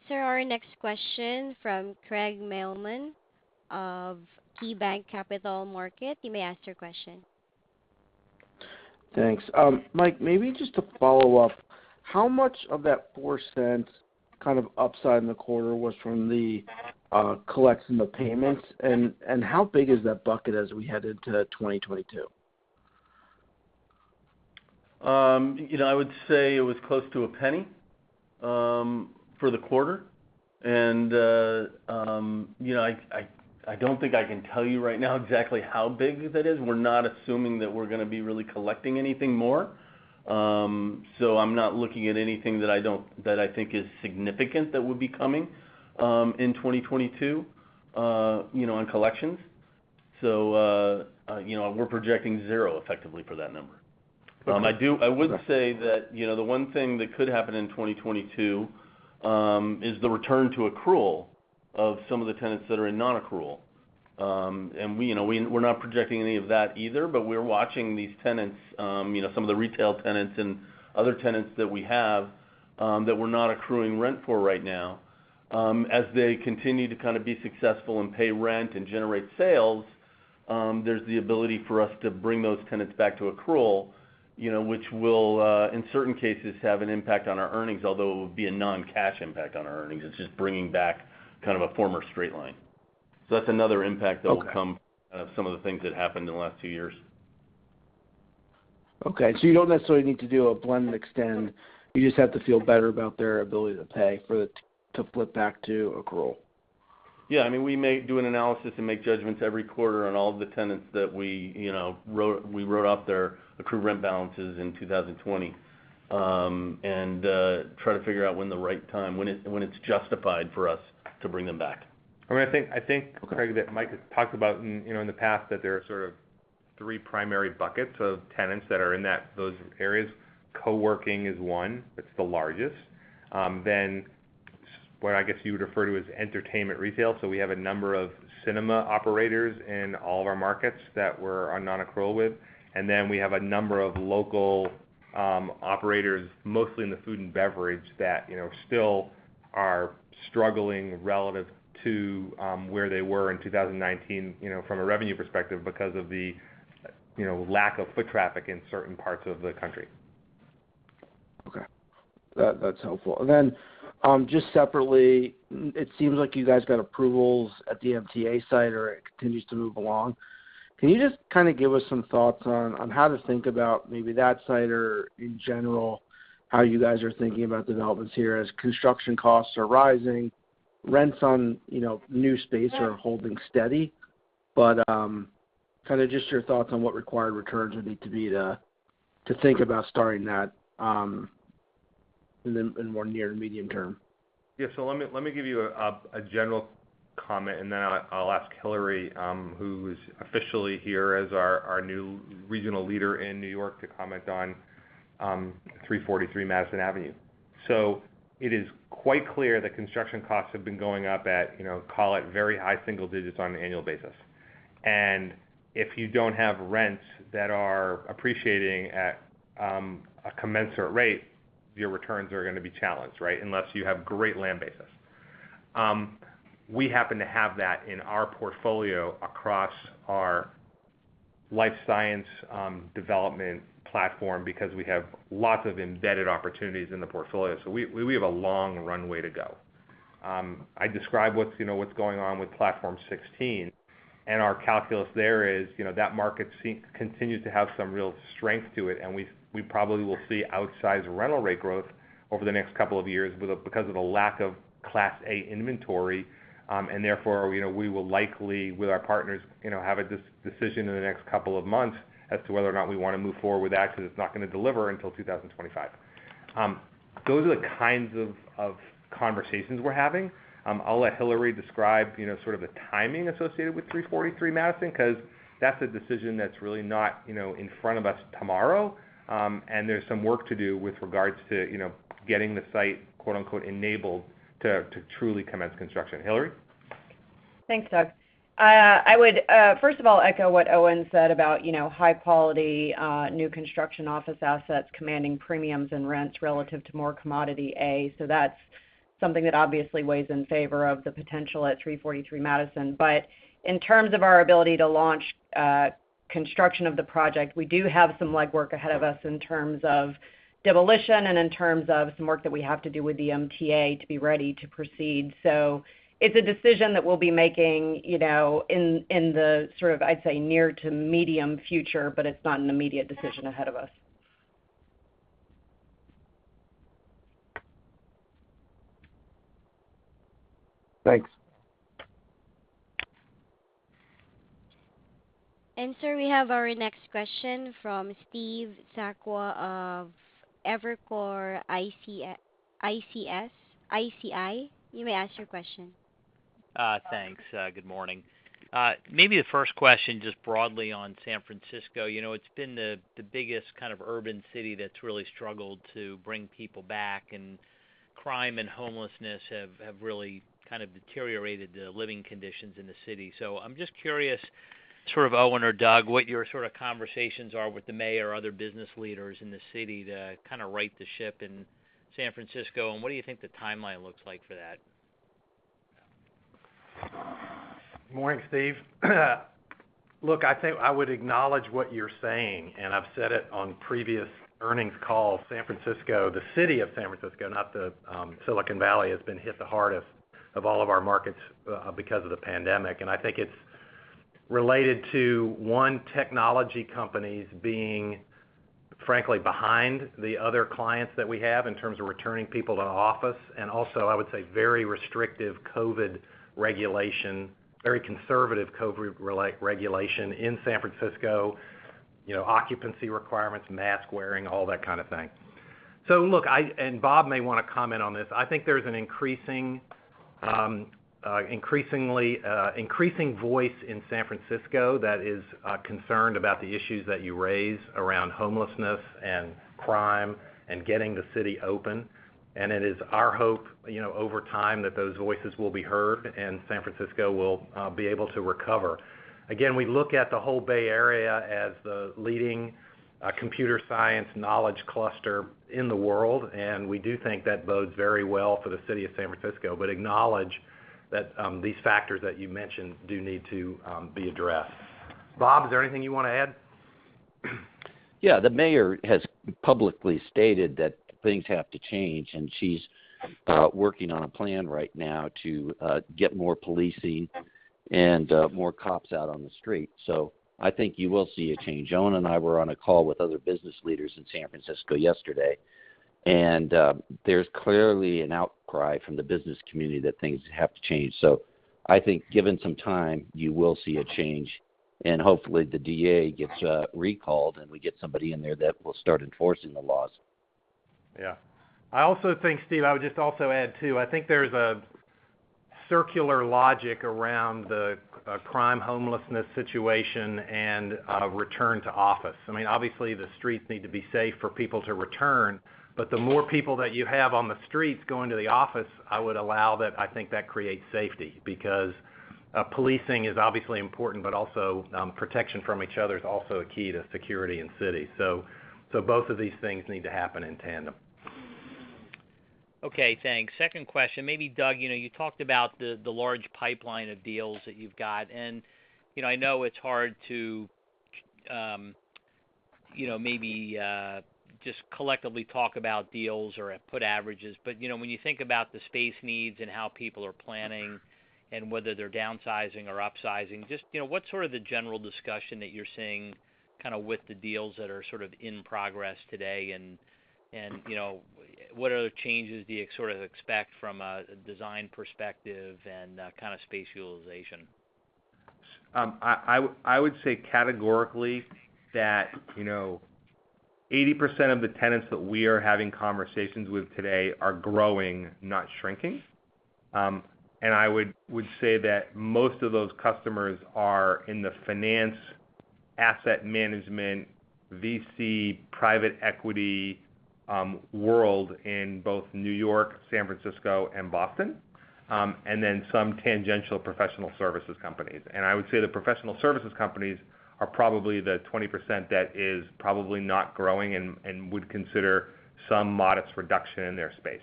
Sir, our next question from Craig Mailman of KeyBanc Capital Markets. You may ask your question. Thanks. Mike, maybe just to follow up, how much of that $0.04 kind of upside in the quarter was from the collections on the payments? How big is that bucket as we head into 2022? You know, I would say it was close to $0.01 for the quarter. You know, I don't think I can tell you right now exactly how big that is. We're not assuming that we're gonna be really collecting anything more. So I'm not looking at anything that I think is significant that would be coming in 2022, you know, on collections. You know, we're projecting zero effectively for that number. I would say that you know, the one thing that could happen in 2022 is the return to accrual of some of the tenants that are in non-accrual. We're not projecting any of that either, but we're watching these tenants, you know, some of the retail tenants and other tenants that we have, that we're not accruing rent for right now. As they continue to kind of be successful and pay rent and generate sales, there's the ability for us to bring those tenants back to accrual, you know, which will, in certain cases, have an impact on our earnings, although it would be a non-cash impact on our earnings. It's just bringing back kind of a former straight line. That's another impact that will come. Okay out of some of the things that happened in the last two years. Okay. You don't necessarily need to do a blend and extend, you just have to feel better about their ability to pay for it to flip back to accrual. Yeah. I mean, we may do an analysis and make judgments every quarter on all of the tenants that we, you know, wrote off their accrued rent balances in 2020, and try to figure out when it's justified for us to bring them back. I mean, I think, Craig, that Mike has talked about in, you know, in the past that there are sort of three primary buckets of tenants that are in that those areas. Co-working is one. It's the largest. Then what I guess you would refer to as entertainment retail. We have a number of cinema operators in all of our markets that we're on non-accrual with. Then we have a number of local operators, mostly in the food and beverage, that you know still are struggling relative to where they were in 2019, you know, from a revenue perspective because of the you know lack of foot traffic in certain parts of the country. Okay. That's helpful. Then, just separately, it seems like you guys got approvals at the MTA site or it continues to move along. Can you just kind of give us some thoughts on how to think about maybe that site or in general, how you guys are thinking about developments here as construction costs are rising, rents on, you know, new space are holding steady. Kind of just your thoughts on what required returns would need to be to think about starting that in more near to medium term. Yeah. Let me give you a general comment, and then I'll ask Hilary, who is officially here as our new regional leader in New York, to comment on 343 Madison Avenue. It is quite clear that construction costs have been going up at, you know, call it very high single digits on an annual basis. If you don't have rents that are appreciating at a commensurate rate, your returns are gonna be challenged, right? Unless you have great land basis. We happen to have that in our portfolio across our life science development platform because we have lots of embedded opportunities in the portfolio. We have a long runway to go. I described what's, you know, what's going on with platform 16, and our calculus there is, you know, that market continues to have some real strength to it, and we probably will see outsized rental rate growth over the next couple of years because of the lack of class A inventory. Therefore, you know, we will likely, with our partners, you know, have a decision in the next couple of months as to whether or not we wanna move forward with that because it's not gonna deliver until 2025. Those are the kinds of conversations we're having. I'll let Hilary describe, you know, sort of the timing associated with 343 Madison, 'cause that's a decision that's really not, you know, in front of us tomorrow. There's some work to do with regards to, you know, getting the site quote-unquote, "Enabled" to truly commence construction. Hilary? Thanks, Doug. I would first of all echo what Owen said about, you know, high-quality new construction office assets commanding premiums and rents relative to more commodity A. That's something that obviously weighs in favor of the potential at 343 Madison. In terms of our ability to launch construction of the project, we do have some legwork ahead of us in terms of demolition and in terms of some work that we have to do with the MTA to be ready to proceed. It's a decision that we'll be making, you know, in the sort of, I'd say, near to medium future, but it's not an immediate decision ahead of us. Thanks. Sir, we have our next question from Steve Sakwa of Evercore ISI. You may ask your question. Thanks. Good morning. Maybe the first question just broadly on San Francisco. You know, it's been the biggest kind of urban city that's really struggled to bring people back, and crime and homelessness have really kind of deteriorated the living conditions in the city. So I'm just curious, sort of Owen or Doug, what your sort of conversations are with the mayor or other business leaders in the city to kinda right the ship in San Francisco, and what do you think the timeline looks like for that? Morning, Steve. Look, I think I would acknowledge what you're saying, and I've said it on previous earnings calls. San Francisco, the city of San Francisco, not the Silicon Valley, has been hit the hardest of all of our markets because of the pandemic. I think it's related to one, technology companies being frankly behind the other clients that we have in terms of returning people to office, and also I would say very restrictive COVID regulation, very conservative COVID regulation in San Francisco, you know, occupancy requirements, mask wearing, all that kind of thing. Look, and Bob may wanna comment on this. I think there's an increasing voice in San Francisco that is concerned about the issues that you raise around homelessness and crime and getting the city open. It is our hope, you know, over time, that those voices will be heard and San Francisco will be able to recover. Again, we look at the whole Bay Area as the leading computer science knowledge cluster in the world, and we do think that bodes very well for the city of San Francisco, but acknowledge that these factors that you mentioned do need to be addressed. Bob, is there anything you wanna add? Yeah. The mayor has publicly stated that things have to change, and she's working on a plan right now to get more policing and more cops out on the street. I think you will see a change. Owen and I were on a call with other business leaders in San Francisco yesterday, and there's clearly an outcry from the business community that things have to change. I think given some time, you will see a change, and hopefully, the DA gets recalled, and we get somebody in there that will start enforcing the laws. Yeah. I also think, Steve, I would just also add, too, I think there's a circular logic around the, crime homelessness situation and, return to office. I mean, obviously, the streets need to be safe for people to return, but the more people that you have on the streets going to the office, I would allow that I think that creates safety because, policing is obviously important, but also, protection from each other is also a key to security in cities. Both of these things need to happen in tandem. Okay, thanks. Second question. Maybe Doug, you know, you talked about the large pipeline of deals that you've got, and, you know, I know it's hard to, you know, maybe, just collectively talk about deals or put averages. You know, when you think about the space needs and how people are planning and whether they're downsizing or upsizing, just, you know, what's sort of the general discussion that you're seeing kinda with the deals that are sort of in progress today and, you know, what other changes do you sort of expect from a design perspective and, kinda space utilization? I would say categorically that, you know, 80% of the tenants that we are having conversations with today are growing, not shrinking. I would say that most of those customers are in the financial asset management, VC, private equity world in both New York, San Francisco, and Boston, and then some tangential professional services companies. I would say the professional services companies are probably the 20% that is probably not growing and would consider some modest reduction in their space.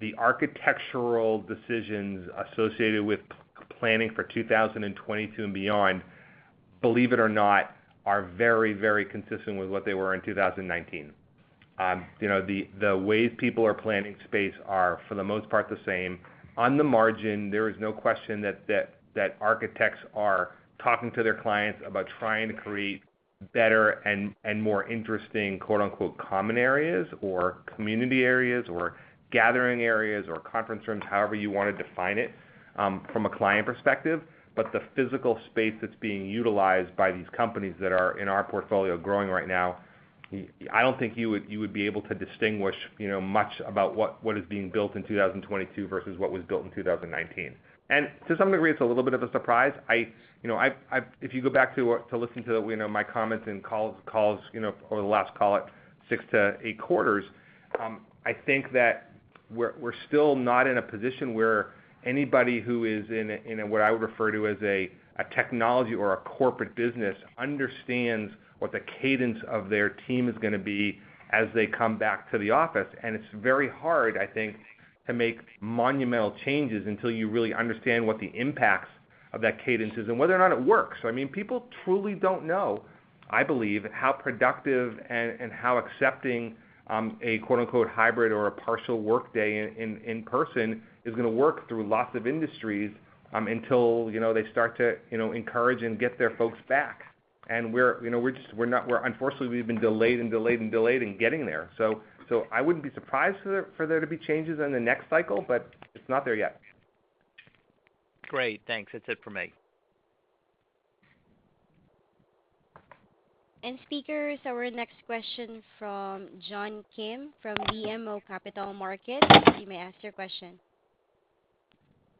The architectural decisions associated with planning for 2022 and beyond, believe it or not, are very, very consistent with what they were in 2019. You know, the way people are planning space are, for the most part, the same. On the margin, there is no question that architects are talking to their clients about trying to create better and more interesting quote-unquote common areas or community areas or gathering areas or conference rooms, however you wanna define it, from a client perspective. But the physical space that's being utilized by these companies that are in our portfolio growing right now, I don't think you would be able to distinguish, you know, much about what is being built in 2022 versus what was built in 2019. To some degree, it's a little bit of a surprise. If you go back to listen to, you know, my comments in calls, you know, over the last, call it 6-8 quarters, I think that we're still not in a position where anybody who is in a what I would refer to as a technology or a corporate business understands what the cadence of their team is gonna be as they come back to the office. It's very hard, I think, to make monumental changes until you really understand what the impacts of that cadence is and whether or not it works. I mean, people truly don't know, I believe, how productive and how accepting a quote-unquote hybrid or a partial workday in person is gonna work through lots of industries until you know they start to you know encourage and get their folks back. You know, we're just unfortunately we've been delayed in getting there. I wouldn't be surprised for there to be changes in the next cycle, but it's not there yet. Great. Thanks. That's it for me. Speakers, our next question from John Kim from BMO Capital Markets. You may ask your question.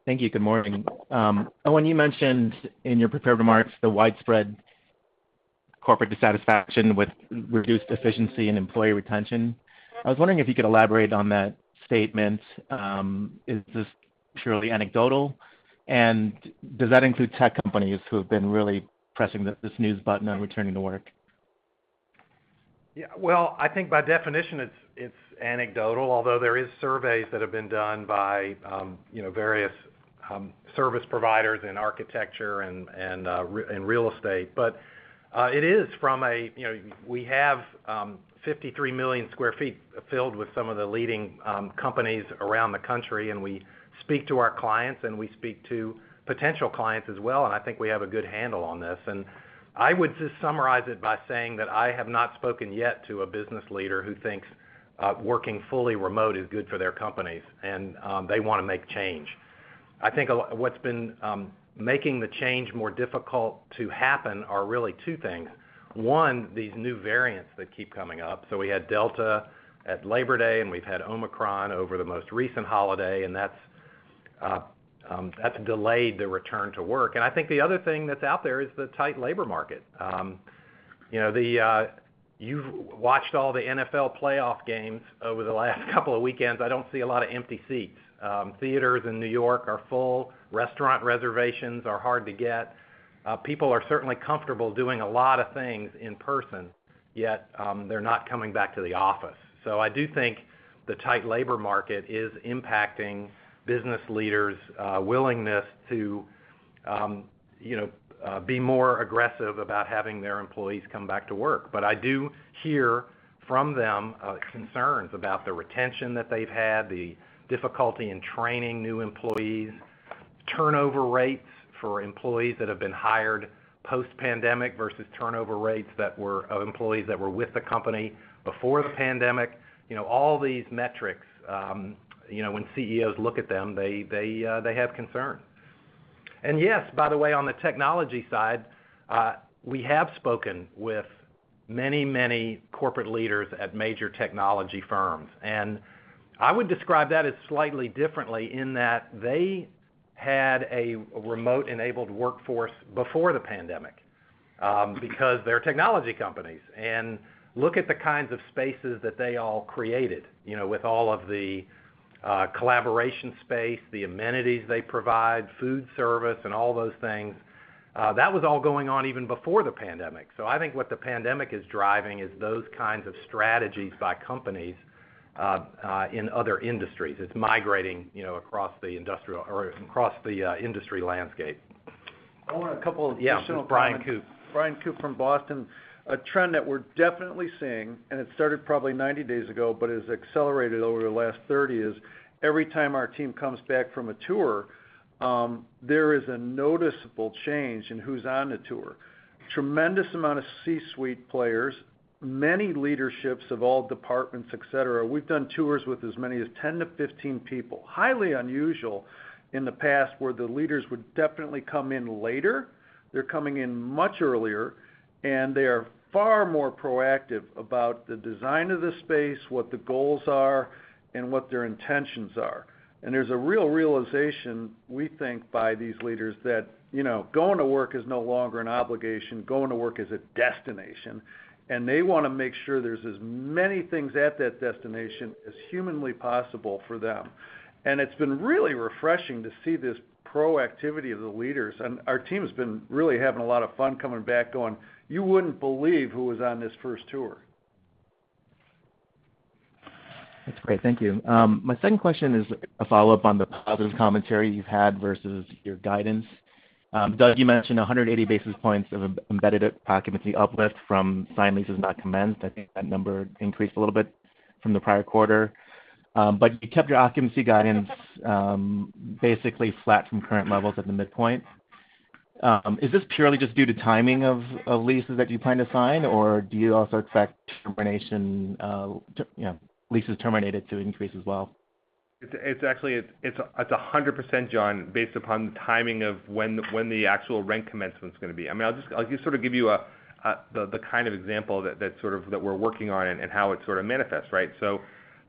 Thank you. Good morning. Owen, you mentioned in your prepared remarks the widespread corporate dissatisfaction with reduced efficiency and employee retention. I was wondering if you could elaborate on that statement. Is this purely anecdotal, and does that include tech companies who have been really pressing this snooze button on returning to work? Yeah. Well, I think by definition it's anecdotal, although there are surveys that have been done by, you know, various service providers in architecture and in real estate. It is from a. We have 53 million sq ft filled with some of the leading companies around the country, and we speak to our clients, and we speak to potential clients as well, and I think we have a good handle on this. I would just summarize it by saying that I have not spoken yet to a business leader who thinks working fully remote is good for their companies, and they wanna make change. I think what's been making the change more difficult to happen are really two things. One, these new variants that keep coming up. We had Delta at Labor Day, and we've had Omicron over the most recent holiday, and that's delayed the return to work. I think the other thing that's out there is the tight labor market. You know, you've watched all the NFL playoff games over the last couple of weekends. I don't see a lot of empty seats. Theaters in New York are full. Restaurant reservations are hard to get. People are certainly comfortable doing a lot of things in person, yet they're not coming back to the office. I do think the tight labor market is impacting business leaders' willingness to, you know, be more aggressive about having their employees come back to work. I do hear from them concerns about the retention that they've had, the difficulty in training new employees, turnover rates for employees that have been hired post-pandemic versus turnover rates that were of employees that were with the company before the pandemic. You know, all these metrics, you know, when CEOs look at them, they have concern. Yes, by the way, on the technology side, we have spoken with many, many corporate leaders at major technology firms. I would describe that as slightly differently in that they had a remote-enabled workforce before the pandemic, because they're technology companies. Look at the kinds of spaces that they all created, you know, with all of the collaboration space, the amenities they provide, food service, and all those things. That was all going on even before the pandemic. I think what the pandemic is driving is those kinds of strategies by companies in other industries. It's migrating, you know, across the industry landscape. Owen, a couple of additional comments. Yeah. It's Bryan Koop. Bryan Koop from Boston. A trend that we're definitely seeing, and it started probably 90 days ago, but has accelerated over the last 30, is every time our team comes back from a tour, there is a noticeable change in who's on the tour. Tremendous amount of C-suite players, many leaderships of all departments, et cetera. We've done tours with as many as 10-15 people. Highly unusual in the past where the leaders would definitely come in later. They're coming in much earlier, and they are far more proactive about the design of the space, what the goals are, and what their intentions are. There's a real realization, we think, by these leaders that, you know, going to work is no longer an obligation. Going to work is a destination, and they wanna make sure there's as many things at that destination as humanly possible for them. It's been really refreshing to see this proactivity of the leaders. Our team has been really having a lot of fun coming back going, "You wouldn't believe who was on this first tour. That's great. Thank you. My second question is a follow-up on the positive commentary you've had versus your guidance. Doug, you mentioned 180 basis points of embedded occupancy uplift from signed leases not commenced. I think that number increased a little bit from the prior quarter. You kept your occupancy guidance basically flat from current levels at the midpoint. Is this purely just due to timing of leases that you plan to sign, or do you also expect termination, you know, leases terminated to increase as well? It's actually 100%, John, based upon the timing of when the actual rent commencement's gonna be. I mean, I'll just sort of give you the kind of example that sort of we're working on and how it sort of manifests, right?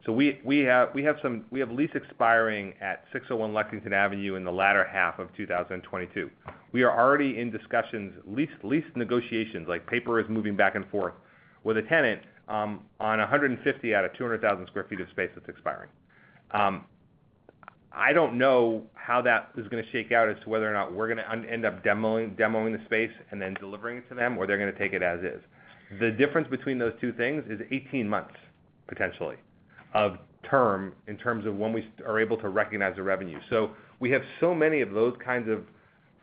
We have lease expiring at 601 Lexington Avenue in the latter half of 2022. We are already in discussions, lease negotiations, like paper is moving back and forth, with a tenant on 150 out of 200,000 sq ft of space that's expiring. I don't know how that is gonna shake out as to whether or not we're gonna end up demoing the space and then delivering it to them or they're gonna take it as is. The difference between those two things is 18 months, potentially, of term in terms of when we are able to recognize the revenue. We have so many of those kinds of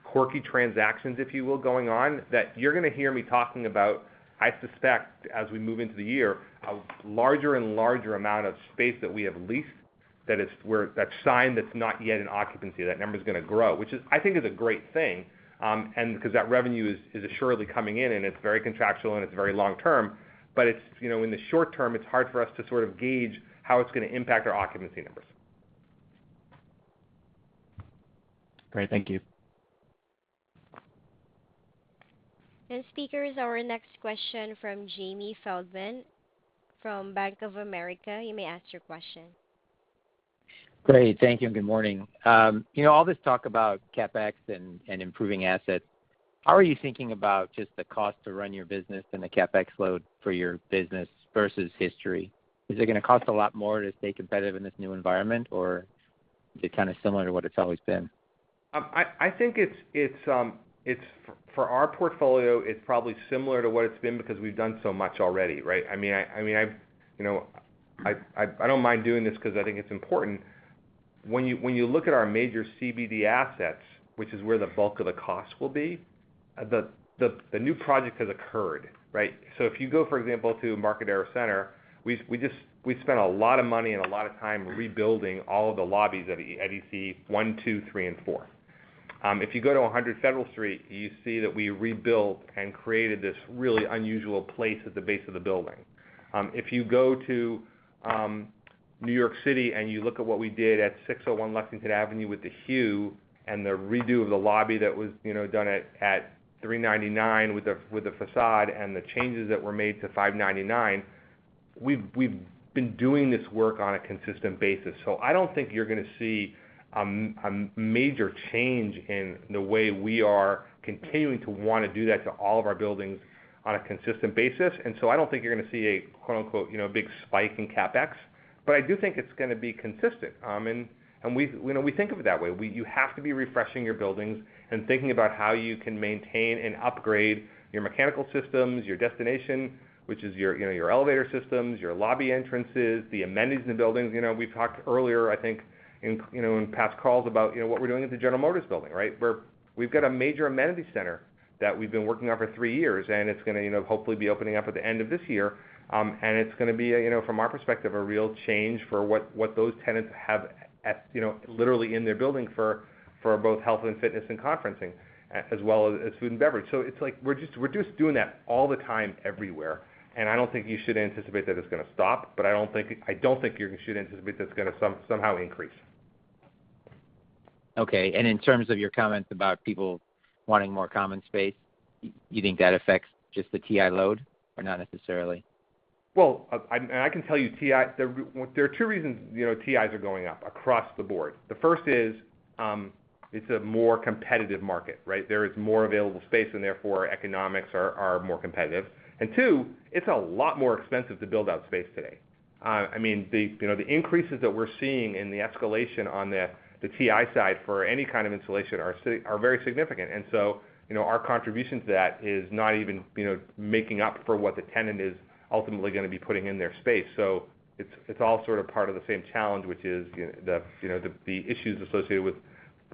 quirky transactions, if you will, going on, that you're gonna hear me talking about, I suspect, as we move into the year, a larger and larger amount of space that we have leased that is where that's signed, that's not yet an occupancy, that number's gonna grow, which I think is a great thing, and because that revenue is assuredly coming in, and it's very contractual and it's very long-term, but it's, you know, in the short-term, it's hard for us to sort of gauge how it's gonna impact our occupancy numbers. Great. Thank you. Speakers, our next question from Jamie Feldman from Bank of America. You may ask your question. Great. Thank you, and good morning. You know, all this talk about CapEx and improving assets, how are you thinking about just the cost to run your business and the CapEx load for your business versus history? Is it gonna cost a lot more to stay competitive in this new environment, or is it kind of similar to what it's always been? I think it's for our portfolio, it's probably similar to what it's been because we've done so much already, right? I mean, I've, you know, I don't mind doing this 'cause I think it's important. When you look at our major CBD assets, which is where the bulk of the cost will be, the new project has occurred, right? If you go, for example, to Market Era Center, we just spent a lot of money and a lot of time rebuilding all of the lobbies at EC one, two, three, and four. If you go to 100 Federal Street, you see that we rebuilt and created this really unusual place at the base of the building. If you go to New York City and you look at what we did at 601 Lexington Avenue with The Hugh and the redo of the lobby that was, you know, done at 399 with the facade and the changes that were made to 599, we've been doing this work on a consistent basis. I don't think you're gonna see a major change in the way we are continuing to wanna do that to all of our buildings on a consistent basis. I don't think you're gonna see a quote-unquote, you know, big spike in CapEx. I do think it's gonna be consistent. You know, we think of it that way. You have to be refreshing your buildings and thinking about how you can maintain and upgrade your mechanical systems, your destination, which is your elevator systems, your lobby entrances, the amenities in the buildings. You know, we've talked earlier, I think, in past calls about what we're doing at the General Motors building, right? We've got a major amenity center that we've been working on for three years, and it's gonna, you know, hopefully be opening up at the end of this year. And it's gonna be a, you know, from our perspective, a real change for what those tenants have at, you know, literally in their building for both health and fitness and conferencing as well as food and beverage. It's like we're just doing that all the time everywhere, and I don't think you should anticipate that it's gonna stop, but I don't think you should anticipate that it's gonna somehow increase. Okay. In terms of your comments about people wanting more common space, you think that affects just the TI load or not necessarily? Well, there are two reasons, you know, TIs are going up across the board. The first is, it's a more competitive market, right? There is more available space and therefore economics are more competitive. Two, it's a lot more expensive to build out space today. I mean, the increases that we're seeing in the escalation on the TI side for any kind of installation are very significant. Our contribution to that is not even making up for what the tenant is ultimately gonna be putting in their space. It's all sort of part of the same challenge, which is, you know, the issues associated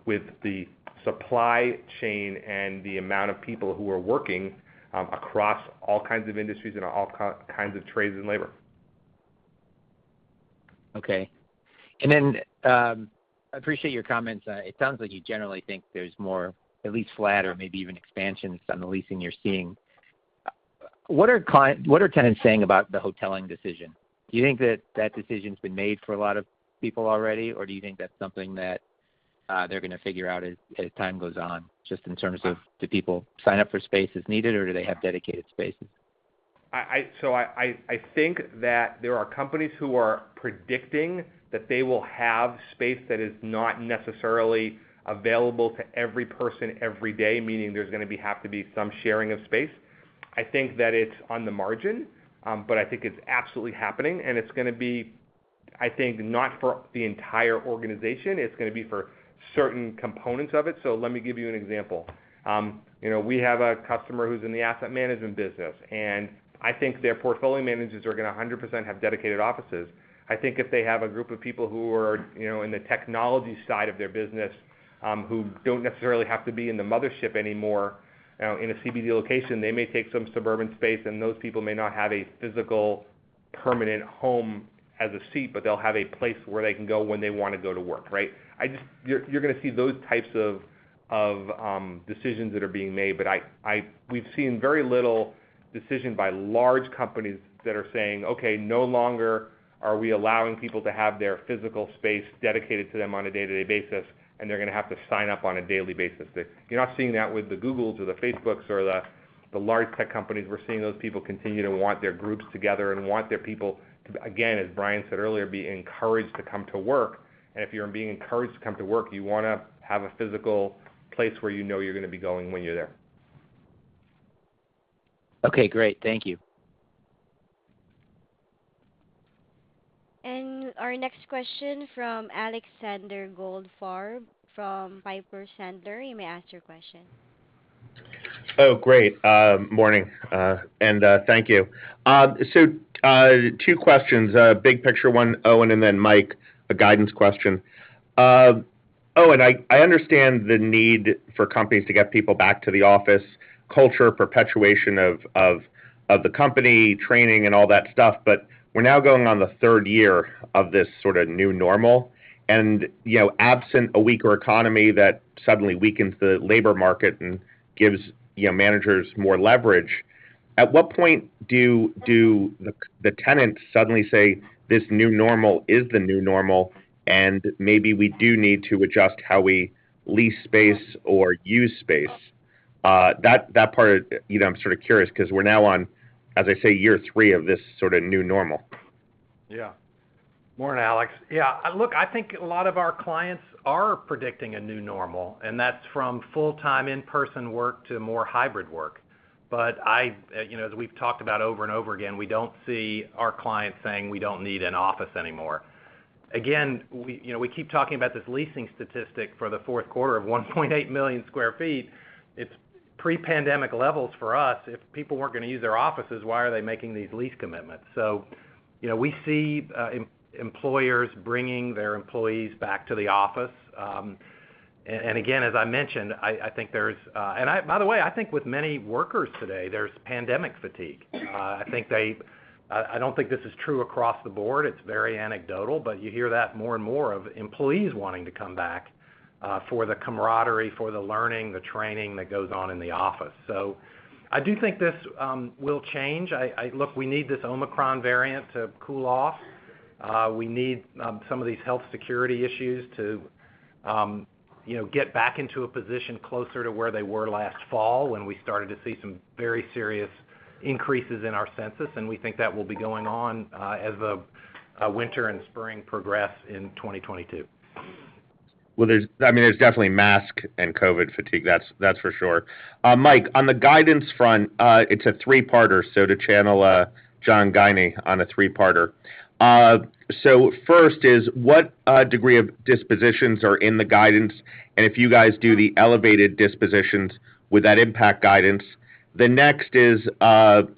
with the supply chain and the amount of people who are working across all kinds of industries and all kinds of trades and labor. Okay. I appreciate your comments. It sounds like you generally think there's more at least flat or maybe even expansions on the leasing you're seeing. What are tenants saying about the hoteling decision? Do you think that decision's been made for a lot of people already, or do you think that's something that they're gonna figure out as time goes on, just in terms of do people sign up for space as needed, or do they have dedicated spaces? I think that there are companies who are predicting that they will have space that is not necessarily available to every person every day, meaning there's gonna have to be some sharing of space. I think that it's on the margin, but I think it's absolutely happening and it's gonna be, I think, not for the entire organization. It's gonna be for certain components of it. Let me give you an example. You know, we have a customer who's in the asset management business, and I think their portfolio managers are gonna 100% have dedicated offices. I think if they have a group of people who are, you know, in the technology side of their business, who don't necessarily have to be in the mothership anymore, in a CBD location, they may take some suburban space, and those people may not have a physical, permanent home as a seat, but they'll have a place where they can go when they wanna go to work, right? You're gonna see those types of decisions that are being made. But we've seen very little decision by large companies that are saying, "Okay, no longer are we allowing people to have their physical space dedicated to them on a day-to-day basis, and they're gonna have to sign up on a daily basis." You're not seeing that with the Googles or the Facebooks or the large tech companies. We're seeing those people continue to want their groups together and want their people to, again, as Bryan said earlier, be encouraged to come to work. If you're being encouraged to come to work, you wanna have a physical place where you know you're gonna be going when you're there. Okay, great. Thank you. Our next question from Alexander Goldfarb from Piper Sandler. You may ask your question. Great. Morning, and thank you. Two questions. Big picture one, Owen, and then Mike, a guidance question. Owen, I understand the need for companies to get people back to the office, culture, perpetuation of the company, training and all that stuff. We're now going on the third year of this sorta new normal and, you know, absent a weaker economy that suddenly weakens the labor market and gives, you know, managers more leverage. At what point do the tenants suddenly say, this new normal is the new normal, and maybe we do need to adjust how we lease space or use space? That part, you know, I'm sort of curious, 'cause we're now on, as I say, year three of this sorta new normal. Yeah. Morning, Alex. Yeah. Look, I think a lot of our clients are predicting a new normal, and that's from full-time in-person work to more hybrid work. You know, as we've talked about over and over again, we don't see our clients saying, we don't need an office anymore. Again, we, you know, we keep talking about this leasing statistic for the fourth quarter of 1.8 million sq ft. It's pre-pandemic levels for us. If people weren't gonna use their offices, why are they making these lease commitments? You know, we see employers bringing their employees back to the office. And again, as I mentioned, I think there's. By the way, I think with many workers today, there's pandemic fatigue. I don't think this is true across the board. It's very anecdotal, but you hear that more and more of employees wanting to come back for the camaraderie, for the learning, the training that goes on in the office. I do think this will change. Look, we need this Omicron variant to cool off. We need some of these health security issues to you know get back into a position closer to where they were last fall when we started to see some very serious increases in our census, and we think that will be going on as the winter and spring progress in 2022. Well, I mean, there's definitely mask and COVID fatigue. That's for sure. Mike, on the guidance front, it's a three-parter, so to channel John Kim on a three-parter. First is what degree of dispositions are in the guidance, and if you guys do the elevated dispositions, would that impact guidance? The next is,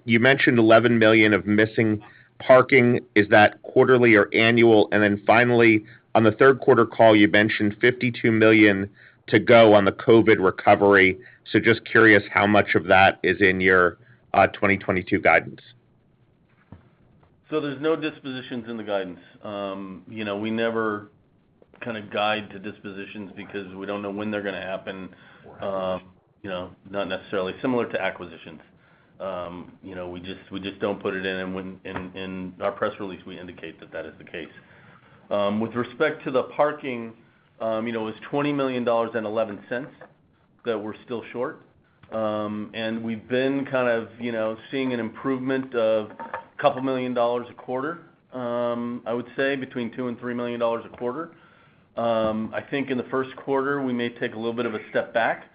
you mentioned $11 million of missing parking. Is that quarterly or annual? And then finally, on the third quarter call, you mentioned $52 million to go on the COVID recovery. So just curious how much of that is in your 2022 guidance. There's no dispositions in the guidance. You know, we never kinda guide to dispositions because we don't know when they're gonna happen, you know, not necessarily similar to acquisitions. You know, we just don't put it in, and in our press release, we indicate that that is the case. With respect to the parking, you know, it was $20 million and 11 cents that we're still short. We've been kind of, you know, seeing an improvement of a couple million dollars a quarter. I would say between $2 million and $3 million a quarter. I think in the first quarter, we may take a little bit of a step back,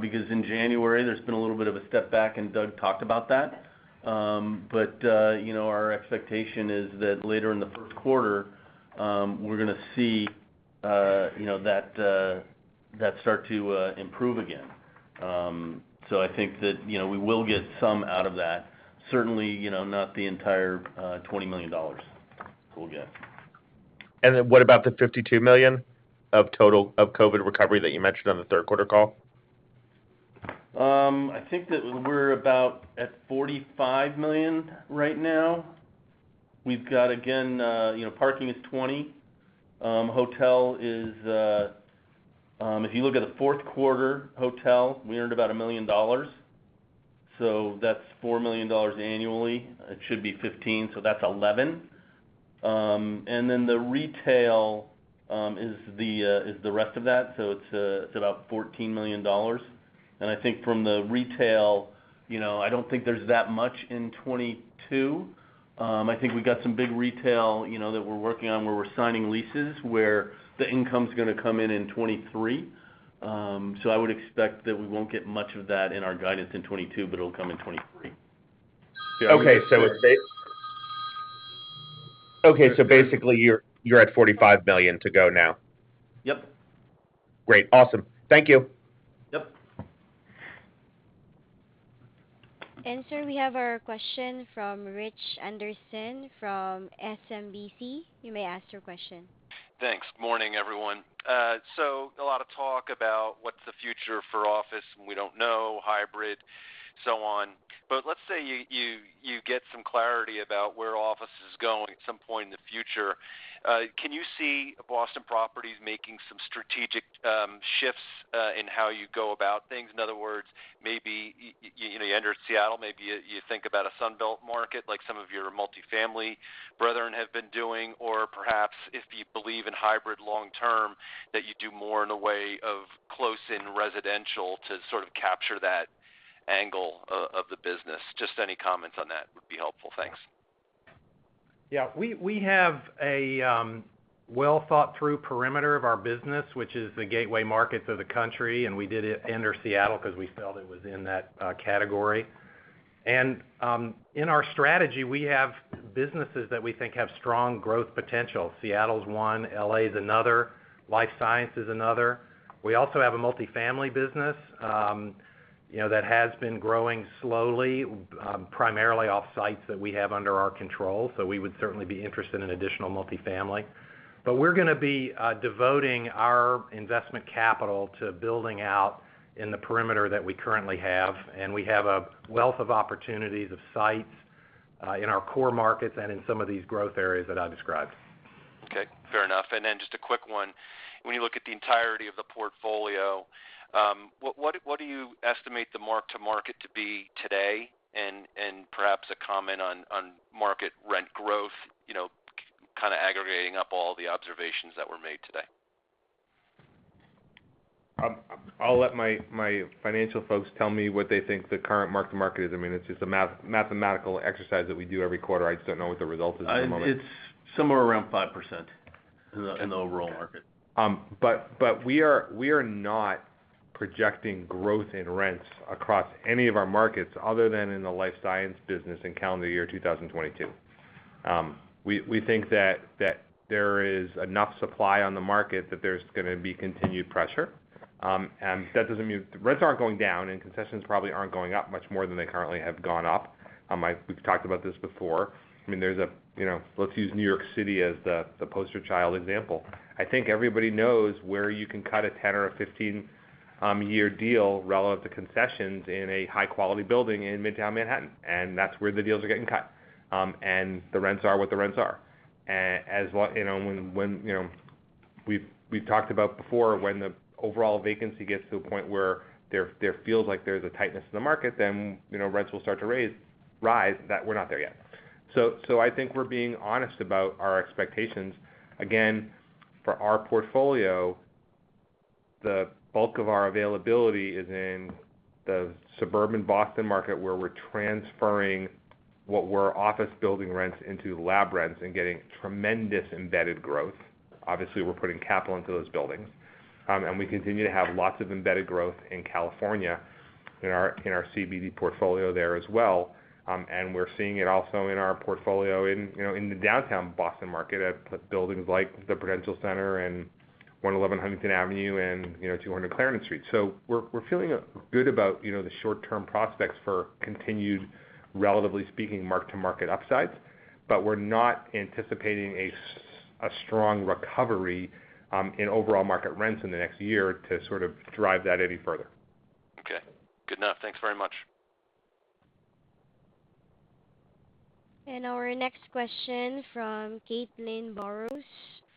because in January, there's been a little bit of a step back, and Doug talked about that. Our expectation is that later in the first quarter, we're gonna see, you know, that start to improve again. I think that, you know, we will get some out of that, certainly, you know, not the entire $20 million, we'll get. What about the $52 million of COVID recovery that you mentioned on the third quarter call? I think that we're about at $45 million right now. We've got, again, you know, parking is $20 million. Hotel is, if you look at the fourth quarter hotel, we earned about $1 million, so that's $4 million annually. It should be $15 million, so that's $11 million. Then the retail is the rest of that. It's about $14 million. I think from the retail, you know, I don't think there's that much in 2022. I think we've got some big retail, you know, that we're working on, where we're signing leases, where the income's gonna come in in 2023. I would expect that we won't get much of that in our guidance in 2022, but it'll come in 2023. We Basically, you're at $45 million to go now. Yep. Great. Awesome. Thank you. Yep. Sir, we have our question from Rich Anderson from SMBC. You may ask your question. Thanks. Morning, everyone. So a lot of talk about what's the future for office, and we don't know, hybrid, so on. Let's say you get some clarity about where office is going at some point in the future. Can you see Boston Properties making some strategic shifts in how you go about things? In other words, maybe you know, you enter Seattle, maybe you think about a Sun Belt market like some of your multifamily brethren have been doing, or perhaps if you believe in hybrid long term, that you do more in the way of co-locating residential to sort of capture that angle of the business. Just any comments on that would be helpful. Thanks. Yeah, we have a well-thought-through perimeter of our business, which is the gateway markets of the country, and we did enter Seattle 'cause we felt it was in that category. In our strategy, we have businesses that we think have strong growth potential. Seattle's one, L.A. is another, life science is another. We also have a multifamily business, you know, that has been growing slowly, primarily off sites that we have under our control. We would certainly be interested in additional multifamily. We're gonna be devoting our investment capital to building out in the perimeter that we currently have, and we have a wealth of opportunities of sites in our core markets and in some of these growth areas that I described. Okay. Fair enough. Just a quick one. When you look at the entirety of the portfolio, what do you estimate the mark-to-market to be today? Perhaps a comment on market rent growth, you know, kinda aggregating up all the observations that were made today. I'll let my financial folks tell me what they think the current mark-to-market is. I mean, it's just a mathematical exercise that we do every quarter. I just don't know what the result is at the moment. It's somewhere around 5% in the overall market. We are not projecting growth in rents across any of our markets other than in the life science business in calendar year 2022. We think that there is enough supply on the market that there's gonna be continued pressure. That doesn't mean rents aren't going down and concessions probably aren't going up much more than they currently have gone up. We've talked about this before. I mean, you know, let's use New York City as the poster child example. I think everybody knows where you can cut a 10- or 15-year deal relevant to concessions in a high-quality building in Midtown Manhattan, and that's where the deals are getting cut. The rents are what the rents are. As what, you know, when, you know, we've talked about before, when the overall vacancy gets to a point where there feels like there's a tightness in the market, then, you know, rents will start to rise. We're not there yet. I think we're being honest about our expectations. Again, for our portfolio, the bulk of our availability is in the suburban Boston market, where we're transferring what were office building rents into lab rents and getting tremendous embedded growth. Obviously, we're putting capital into those buildings. We continue to have lots of embedded growth in California in our CBD portfolio there as well. We're seeing it also in our portfolio in, you know, in the downtown Boston market at buildings like the Prudential Center and 111 Huntington Avenue and, you know, 200 Clarendon Street. We're feeling good about, you know, the short-term prospects for continued, relatively speaking, mark-to-market upsides, but we're not anticipating a strong recovery in overall market rents in the next year to sort of drive that any further. Okay. Good enough. Thanks very much. Our next question from Caitlin Burrows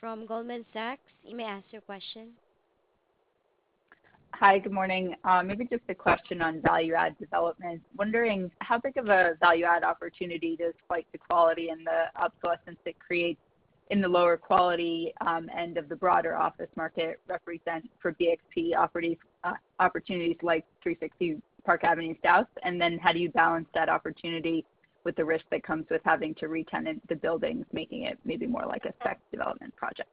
from Goldman Sachs. You may ask your question. Hi, good morning. Maybe just a question on value add development. Wondering how big of a value add opportunity does quite the quality and the obsolescence it creates in the lower quality end of the broader office market represent for BXP opportunities like 360 Park Avenue South? And then how do you balance that opportunity with the risk that comes with having to retenant the buildings, making it maybe more like a spec development project?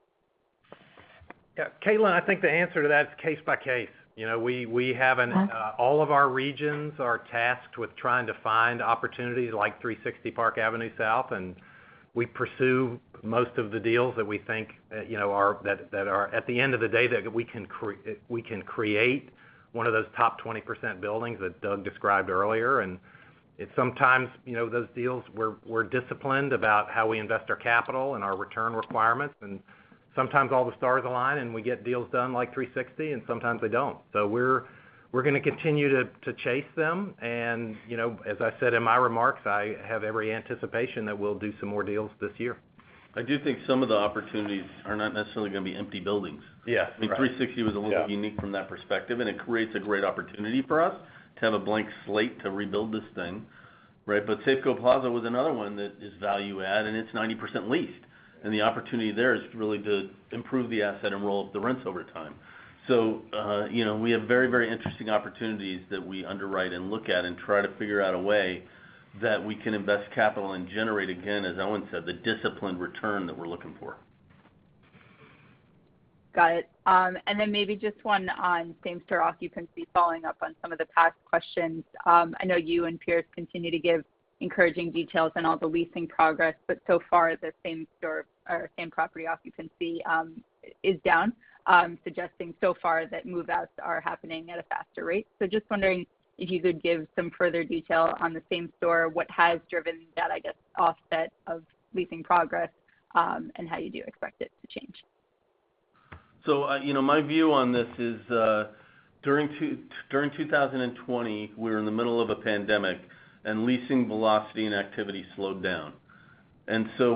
Yeah. Caitlin, I think the answer to that is case by case. You know, we have an- Okay. All of our regions are tasked with trying to find opportunities like 360 Park Avenue South, and we pursue most of the deals that we think are, at the end of the day, that we can create one of those top 20% buildings that Doug described earlier. It's sometimes, you know, those deals we're disciplined about how we invest our capital and our return requirements. Sometimes all the stars align, and we get deals done like 360, and sometimes we don't. We're gonna continue to chase them. You know, as I said in my remarks, I have every anticipation that we'll do some more deals this year. I do think some of the opportunities are not necessarily gonna be empty buildings. Yeah. I mean. 360 was a little. Yeah. Unique from that perspective, and it creates a great opportunity for us to have a blank slate to rebuild this thing, right? Safeco Plaza was another one that is value add, and it's 90% leased. The opportunity there is really to improve the asset and roll up the rents over time. You know, we have very, very interesting opportunities that we underwrite and look at and try to figure out a way that we can invest capital and generate, again, as Owen said, the disciplined return that we're looking for. Got it. Maybe just one on same-store occupancy following up on some of the past questions. I know you and Pester continue to give encouraging details on all the leasing progress, but so far, the same store or same property occupancy is down, suggesting so far that move-outs are happening at a faster rate. Just wondering if you could give some further detail on the same store, what has driven that, I guess, offset of leasing progress, and how you do expect it to change. You know, my view on this is, during 2020, we were in the middle of a pandemic, and leasing velocity and activity slowed down.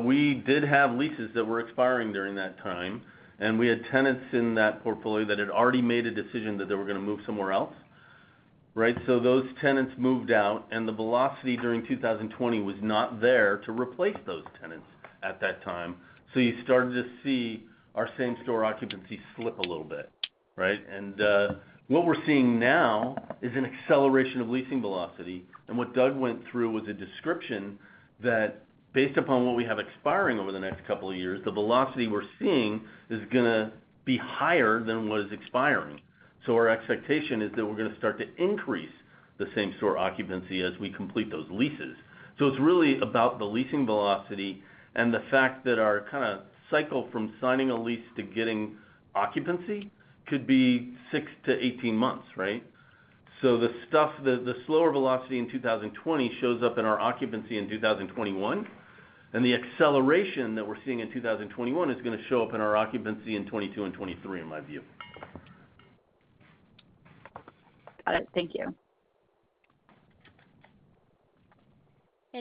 We did have leases that were expiring during that time, and we had tenants in that portfolio that had already made a decision that they were gonna move somewhere else, right? Those tenants moved out, and the velocity during 2020 was not there to replace those tenants at that time. You started to see our same-store occupancy slip a little bit. Right? What we're seeing now is an acceleration of leasing velocity. What Doug went through was a description that based upon what we have expiring over the next couple of years, the velocity we're seeing is gonna be higher than what is expiring. Our expectation is that we're gonna start to increase the same-store occupancy as we complete those leases. It's really about the leasing velocity and the fact that our kinda cycle from signing a lease to getting occupancy could be 6-18 months, right? The stuff, the slower velocity in 2020 shows up in our occupancy in 2021. The acceleration that we're seeing in 2021 is gonna show up in our occupancy in 2022 and 2023, in my view. Got it. Thank you.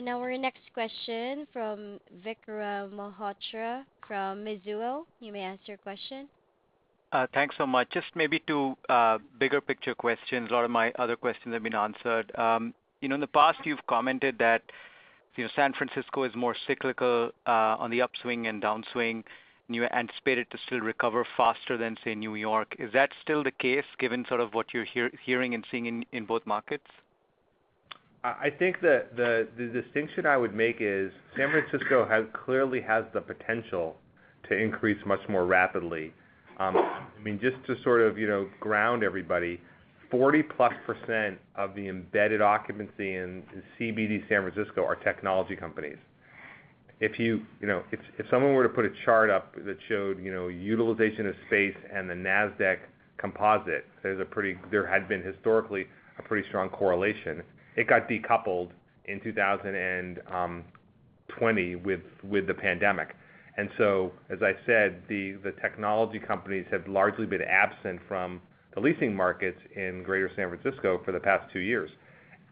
Now our next question from Vikram Mahotra from Mizuho. You may ask your question. Thanks so much. Just maybe two bigger picture questions. A lot of my other questions have been answered. You know, in the past, you've commented that, you know, San Francisco is more cyclical on the upswing and downswing, and you anticipate it to still recover faster than, say, New York. Is that still the case given sort of what you're hearing and seeing in both markets? I think the distinction I would make is San Francisco clearly has the potential to increase much more rapidly. I mean, just to sort of, you know, ground everybody, 40+% of the embedded occupancy in CBD San Francisco are technology companies. If you know, if someone were to put a chart up that showed, you know, utilization of space and the Nasdaq Composite, there had been historically a pretty strong correlation. It got decoupled in 2020 with the pandemic. As I said, the technology companies have largely been absent from the leasing markets in Greater San Francisco for the past two years.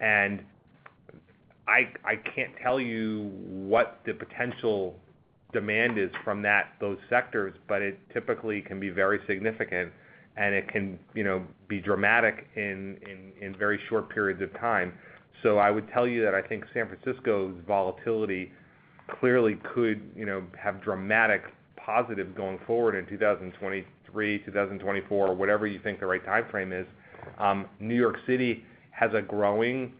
I can't tell you what the potential demand is from those sectors, but it typically can be very significant, and it can, you know, be dramatic in very short periods of time. I would tell you that I think San Francisco's volatility clearly could, you know, have dramatic positive going forward in 2023, 2024, or whatever you think the right timeframe is. New York City has a growing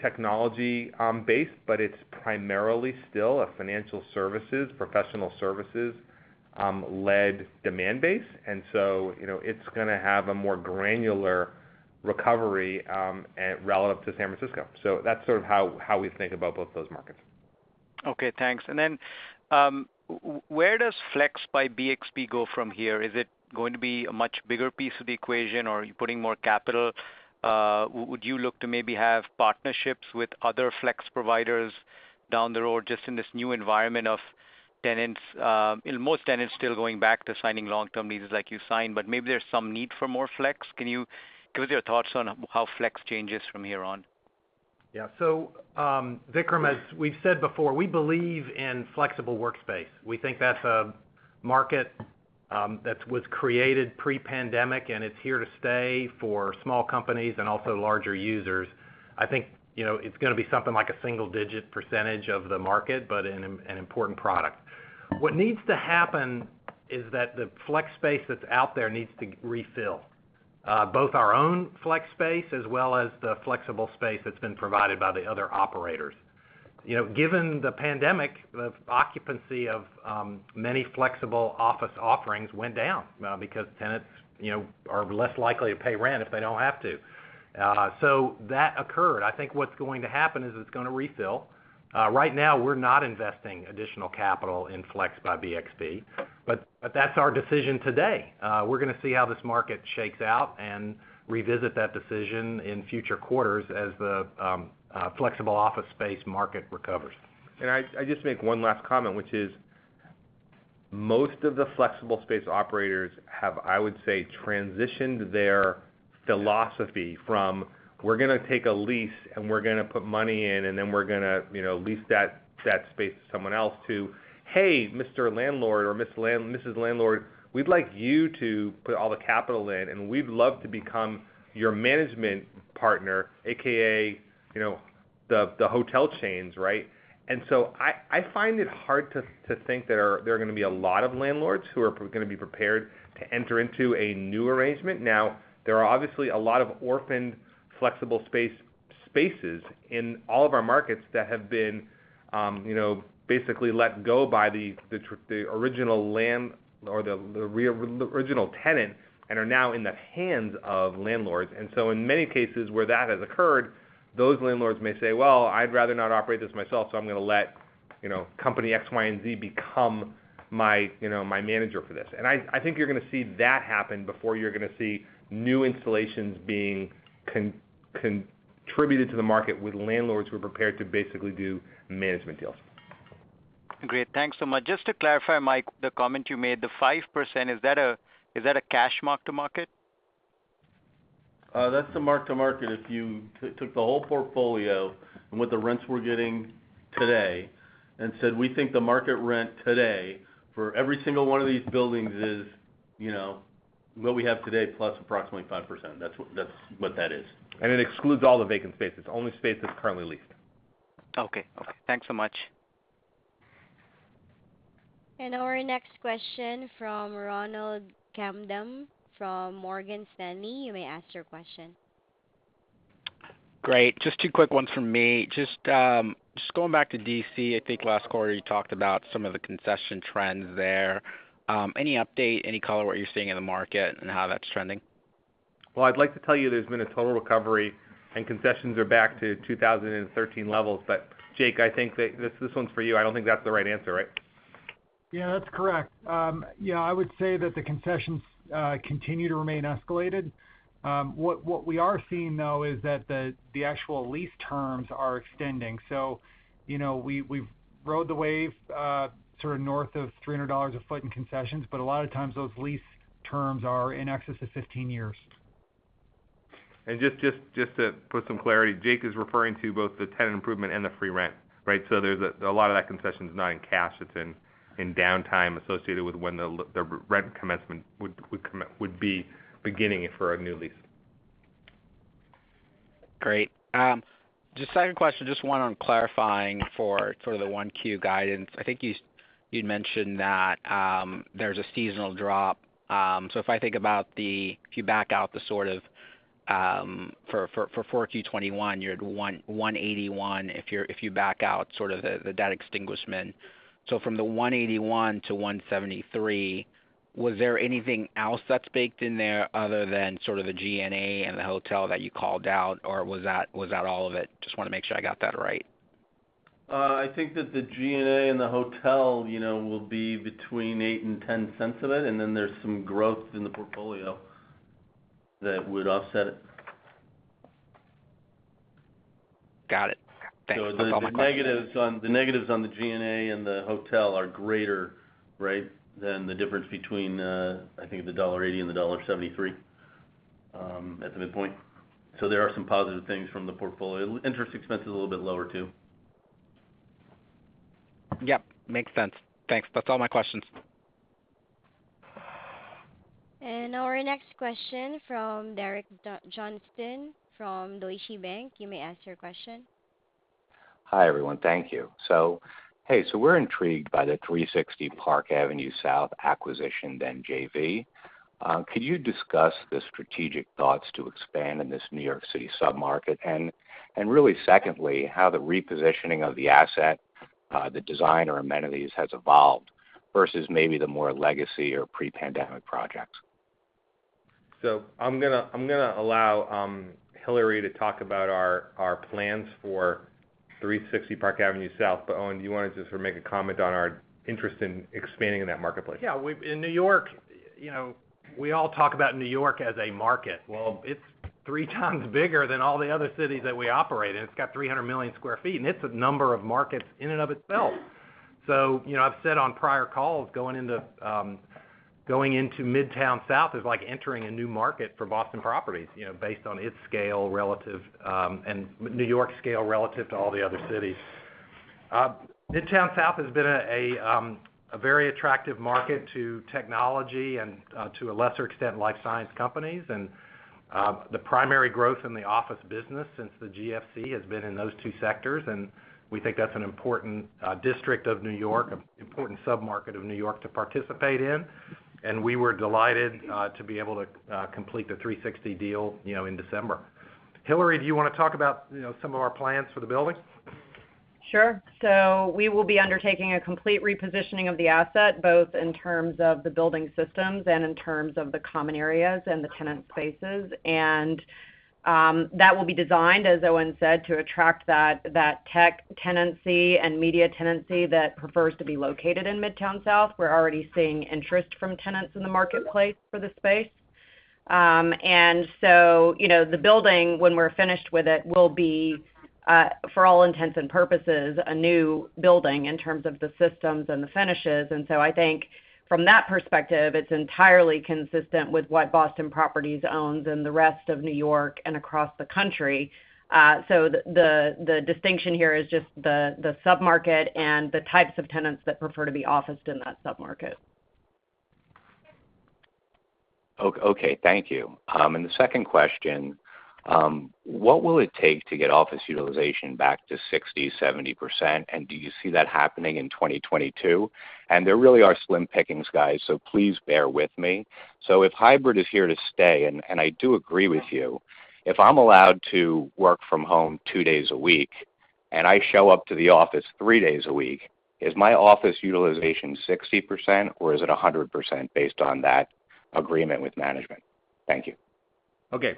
technology base, but it's primarily still a financial services, professional services, led demand base. You know, it's gonna have a more granular recovery relevant to San Francisco. That's sort of how we think about both those markets. Okay, thanks. Where does FLEX by BXP go from here? Is it going to be a much bigger piece of the equation or are you putting more capital? Would you look to maybe have partnerships with other flex providers down the road, just in this new environment of tenants, you know, most tenants still going back to signing long-term leases like you sign, but maybe there's some need for more flex. Can you give us your thoughts on how flex changes from here on? Yeah. Vikram, as we've said before, we believe in flexible workspace. We think that's a market that was created pre-pandemic, and it's here to stay for small companies and also larger users. I think, you know, it's gonna be something like a single-digit % of the market, but an important product. What needs to happen is that the flex space that's out there needs to refill both our own flex space as well as the flexible space that's been provided by the other operators. You know, given the pandemic, the occupancy of many flexible office offerings went down because tenants, you know, are less likely to pay rent if they don't have to. That occurred. I think what's going to happen is it's gonna refill. Right now we're not investing additional capital in FLEX by BXP, but that's our decision today. We're gonna see how this market shakes out and revisit that decision in future quarters as the flexible office space market recovers. I just make one last comment, which is most of the flexible space operators have, I would say, transitioned their philosophy from, we're gonna take a lease, and we're gonna put money in, and then we're gonna, you know, lease that space to someone else, to, "Hey, Mr. Landlord or Mrs. Landlord, we'd like you to put all the capital in, and we'd love to become your management partner," AKA, you know, the hotel chains, right? I find it hard to think there are gonna be a lot of landlords who are gonna be prepared to enter into a new arrangement. Now, there are obviously a lot of orphaned flexible spaces in all of our markets that have been, you know, basically let go by the original tenant and are now in the hands of landlords. In many cases where that has occurred, those landlords may say, "Well, I'd rather not operate this myself, so I'm gonna let, you know, company X, Y, and Z become my, you know, my manager for this." I think you're gonna see that happen before you're gonna see new installations being contributed to the market with landlords who are prepared to basically do management deals. Great. Thanks so much. Just to clarify, Mike, the comment you made, the 5%, is that a cash mark-to-market? That's the mark-to-market. If you took the whole portfolio and what the rents we're getting today and said, we think the market rent today for every single one of these buildings is, you know, what we have today plus approximately 5%. That's what that is. It excludes all the vacant space. It's only space that's currently leased. Okay. Okay. Thanks so much. Our next question from Ronald Kamdem from Morgan Stanley. You may ask your question. Great. Just two quick ones from me. Just going back to D.C., I think last quarter you talked about some of the concession trends there. Any update, any color what you're seeing in the market and how that's trending? Well, I'd like to tell you there's been a total recovery and concessions are back to 2013 levels. Jake, I think that this one's for you. I don't think that's the right answer, right? Yeah, that's correct. Yeah, I would say that the concessions continue to remain escalated. What we are seeing though is that the actual lease terms are extending. You know, we've rode the wave sort of north of $300 a foot in concessions, but a lot of times those lease terms are in excess of 15 years. Just to put some clarity, Jake is referring to both the tenant improvement and the free rent, right? There's a lot of that concession is not in cash, it's in downtime associated with when the rent commencement would be beginning for a new lease. Great. The second question, just one on clarifying for sort of the 1Q guidance. I think you'd mentioned that, there's a seasonal drop. So if I think about if you back out the sort of for 4Q 2021, you're at $1.81 if you back out sort of the debt extinguishment. So from the $1.81 to $1.73, was there anything else that's baked in there other than sort of the G&A and the hotel that you called out? Or was that all of it? Just wanna make sure I got that right. I think that the G&A and the hotel, you know, will be between $0.08 and $0.10 of it, and then there's some growth in the portfolio that would offset it. Got it. Thanks. Those are all my questions. The negatives on the G&A and the hotel are greater, right, than the difference between, I think $1.80 and $1.73, at the midpoint. There are some positive things from the portfolio. Interest expense is a little bit lower too. Yep, makes sense. Thanks. That's all my questions. Our next question from Derek Johnston from Deutsche Bank. You may ask your question. Hi, everyone. Thank you. Hey, we're intrigued by the 360 Park Avenue South acquisition, then JV. Could you discuss the strategic thoughts to expand in this New York City sub-market? And really secondly, how the repositioning of the asset, the design or amenities has evolved versus maybe the more legacy or pre-pandemic projects. I'm gonna allow Hilary to talk about our plans for 360 Park Avenue South. Owen, do you wanna just sort of make a comment on our interest in expanding in that marketplace? Yeah. In New York, you know, we all talk about New York as a market. Well, it's three times bigger than all the other cities that we operate in. It's got 300 million sq ft, and it's a number of markets in and of itself. You know, I've said on prior calls, going into Midtown South is like entering a new market for Boston Properties, you know, based on its scale relative, and New York's scale relative to all the other cities. Midtown South has been a very attractive market to technology and, to a lesser extent, life science companies. The primary growth in the office business since the GFC has been in those two sectors, and we think that's an important district of New York, an important sub-market of New York to participate in. We were delighted to be able to complete the 360 deal, you know, in December. Hilary, do you wanna talk about, you know, some of our plans for the building? Sure. We will be undertaking a complete repositioning of the asset, both in terms of the building systems and in terms of the common areas and the tenant spaces. That will be designed, as Owen said, to attract that tech tenancy and media tenancy that prefers to be located in Midtown South. We're already seeing interest from tenants in the marketplace for the space. You know, the building, when we're finished with it, will be, for all intents and purposes, a new building in terms of the systems and the finishes. I think from that perspective, it's entirely consistent with what Boston Properties owns in the rest of New York and across the country. The distinction here is just the sub-market and the types of tenants that prefer to be officed in that sub-market. Okay. Thank you. The second question, what will it take to get office utilization back to 60%-70%? Do you see that happening in 2022? There really are slim pickings, guys, so please bear with me. If hybrid is here to stay, and I do agree with you, if I'm allowed to work from home two days a week and I show up to the office three days a week, is my office utilization 60% or is it 100% based on that agreement with management? Thank you. Okay.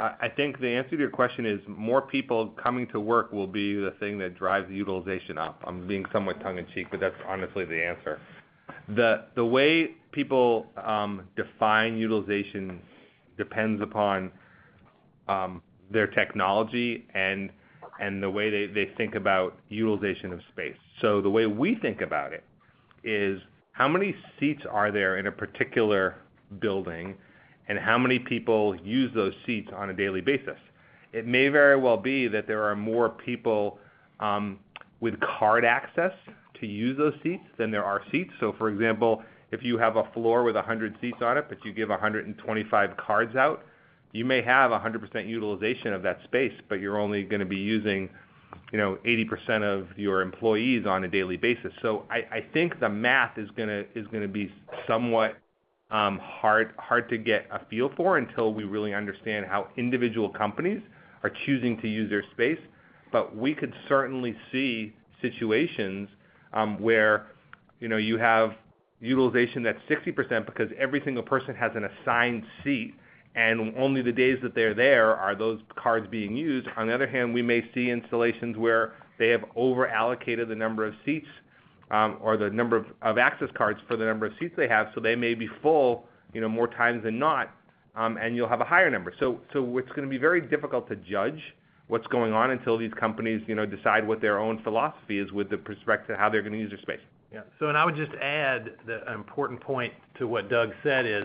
I think the answer to your question is more people coming to work will be the thing that drives the utilization up. I'm being somewhat tongue in cheek, but that's honestly the answer. The way people define utilization depends upon their technology and the way they think about utilization of space. The way we think about it is how many seats are there in a particular building, and how many people use those seats on a daily basis? It may very well be that there are more people with card access to use those seats than there are seats. For example, if you have a floor with 100 seats on it, but you give 125 cards out, you may have 100% utilization of that space, but you're only gonna be using, you know, 80% of your employees on a daily basis. I think the math is gonna be somewhat hard to get a feel for until we really understand how individual companies are choosing to use their space. We could certainly see situations where, you know, you have utilization that's 60% because every single person has an assigned seat, and only the days that they're there are those cards being used. On the other hand, we may see installations where they have overallocated the number of seats, or the number of access cards for the number of seats they have, so they may be full, you know, more times than not, and you'll have a higher number. It's gonna be very difficult to judge what's going on until these companies, you know, decide what their own philosophy is with the respect to how they're gonna use their space. Yeah. I would just add that an important point to what Doug said is,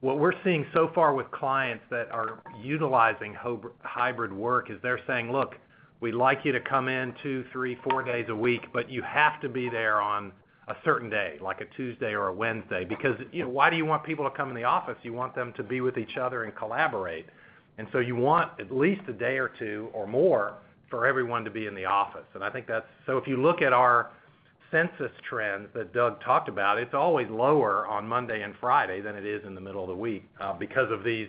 what we're seeing so far with clients that are utilizing hybrid work is they're saying, "Look, we'd like you to come in two, three, four days a week, but you have to be there on a certain day, like a Tuesday or a Wednesday." Because, you know, why do you want people to come in the office? You want them to be with each other and collaborate. You want at least a day or two, or more, for everyone to be in the office. I think that's. If you look at our census trends that Doug talked about, it's always lower on Monday and Friday than it is in the middle of the week, because of these,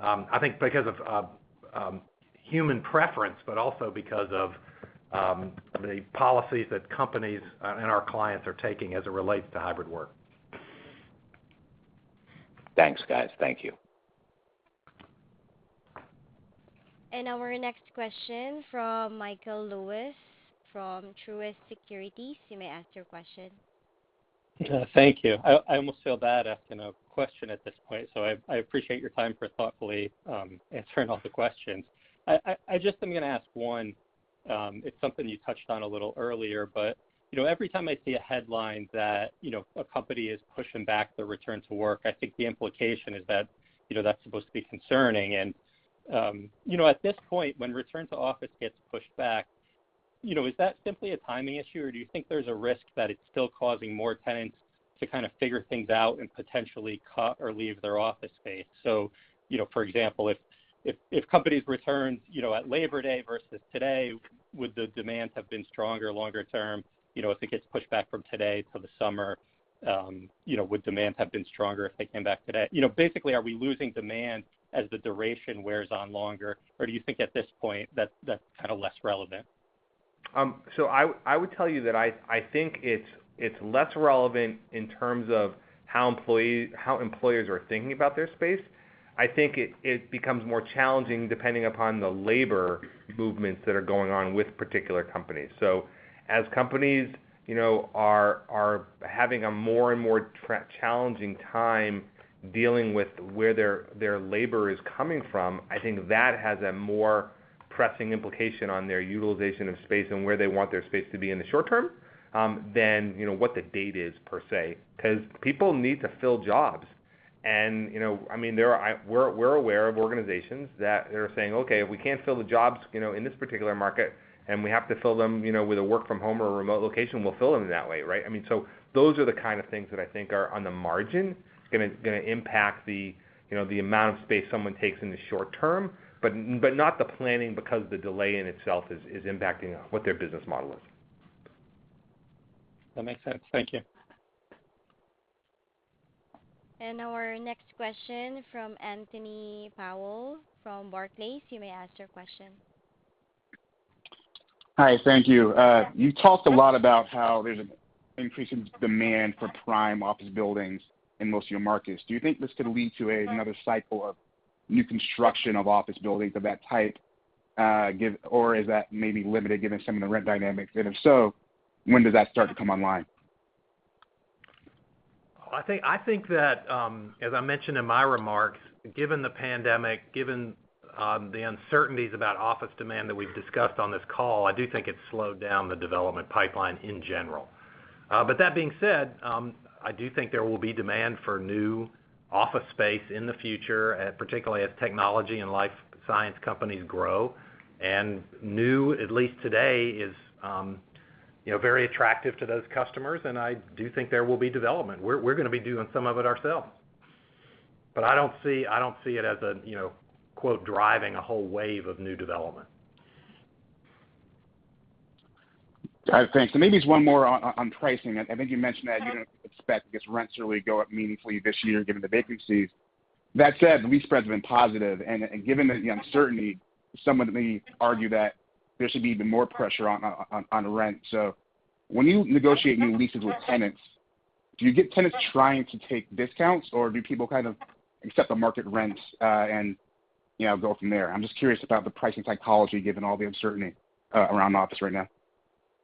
I think because of human preference, but also because of the policies that companies and our clients are taking as it relates to hybrid work. Thanks, guys. Thank you. Our next question from Michael Lewis from Truist Securities. You may ask your question. Thank you. I almost feel bad asking a question at this point, so I appreciate your time for thoughtfully answering all the questions. I just am gonna ask one. It's something you touched on a little earlier, but you know, every time I see a headline that you know, a company is pushing back their return to work, I think the implication is that you know, that's supposed to be concerning. You know, at this point, when return to office gets pushed back, you know, is that simply a timing issue, or do you think there's a risk that it's still causing more tenants to kind of figure things out and potentially cut or leave their office space? You know, for example, if companies returned, you know, at Labor Day versus today, would the demands have been stronger longer term? You know, if it gets pushed back from today to the summer, you know, would demands have been stronger if they came back today? You know, basically, are we losing demand as the duration wears on longer, or do you think at this point that's kind of less relevant? I would tell you that I think it's less relevant in terms of how employers are thinking about their space. I think it becomes more challenging depending upon the labor movements that are going on with particular companies. As companies, you know, are having a more and more challenging time dealing with where their labor is coming from, I think that has a more pressing implication on their utilization of space and where they want their space to be in the short term, than, you know, what the date is, per se. 'Cause people need to fill jobs. You know, I mean, there are... We're aware of organizations that they're saying, "Okay, we can't fill the jobs, you know, in this particular market, and we have to fill them, you know, with a work from home or a remote location. We'll fill them that way," right? I mean, those are the kind of things that I think are, on the margin, gonna impact the, you know, the amount of space someone takes in the short term, but not the planning, because the delay in itself is impacting what their business model is. That makes sense. Thank you. Our next question from Anthony Powell from Barclays. You may ask your question. Hi, thank you. You talked a lot about how there's an increase in demand for prime office buildings in most of your markets. Do you think this could lead to another cycle of new construction of office buildings of that type, or is that maybe limited given some of the rent dynamics? If so, when does that start to come online? Well, I think that, as I mentioned in my remarks, given the pandemic, the uncertainties about office demand that we've discussed on this call, I do think it's slowed down the development pipeline in general. But that being said, I do think there will be demand for new office space in the future, particularly as technology and life science companies grow. And new, at least today, is, you know, very attractive to those customers, and I do think there will be development. We're gonna be doing some of it ourselves. But I don't see it as a, you know, quote, driving a whole wave of new development. Thanks. Maybe just one more on pricing. I think you mentioned that you don't expect, I guess, rents to really go up meaningfully this year given the vacancies. That said, the lease spreads have been positive. Given the uncertainty, someone may argue that there should be even more pressure on rent. When you negotiate new leases with tenants, do you get tenants trying to take discounts, or do people kind of accept the market rents, and, you know, go from there? I'm just curious about the pricing psychology given all the uncertainty around office right now.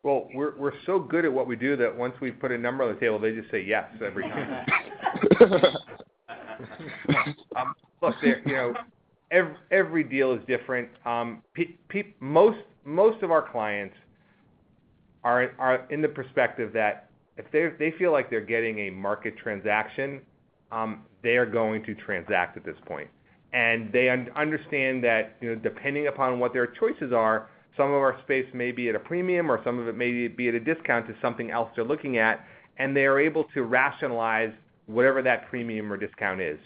Well, we're so good at what we do that once we put a number on the table, they just say yes every time. Look, you know, every deal is different. Most of our clients are in the perspective that if they feel like they're getting a market transaction, they are going to transact at this point. They understand that, you know, depending upon what their choices are, some of our space may be at a premium or some of it may be at a discount to something else they're looking at, and they are able to rationalize whatever that premium or discount is.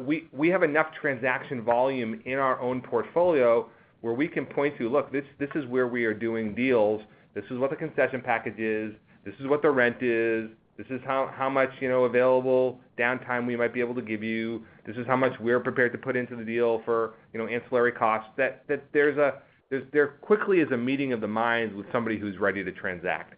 We have enough transaction volume in our own portfolio where we can point to, "Look, this is where we are doing deals. This is what the concession package is. This is what the rent is. This is how much, you know, available downtime we might be able to give you. This is how much we're prepared to put into the deal for, you know, ancillary costs. That there's quickly a meeting of the minds with somebody who's ready to transact.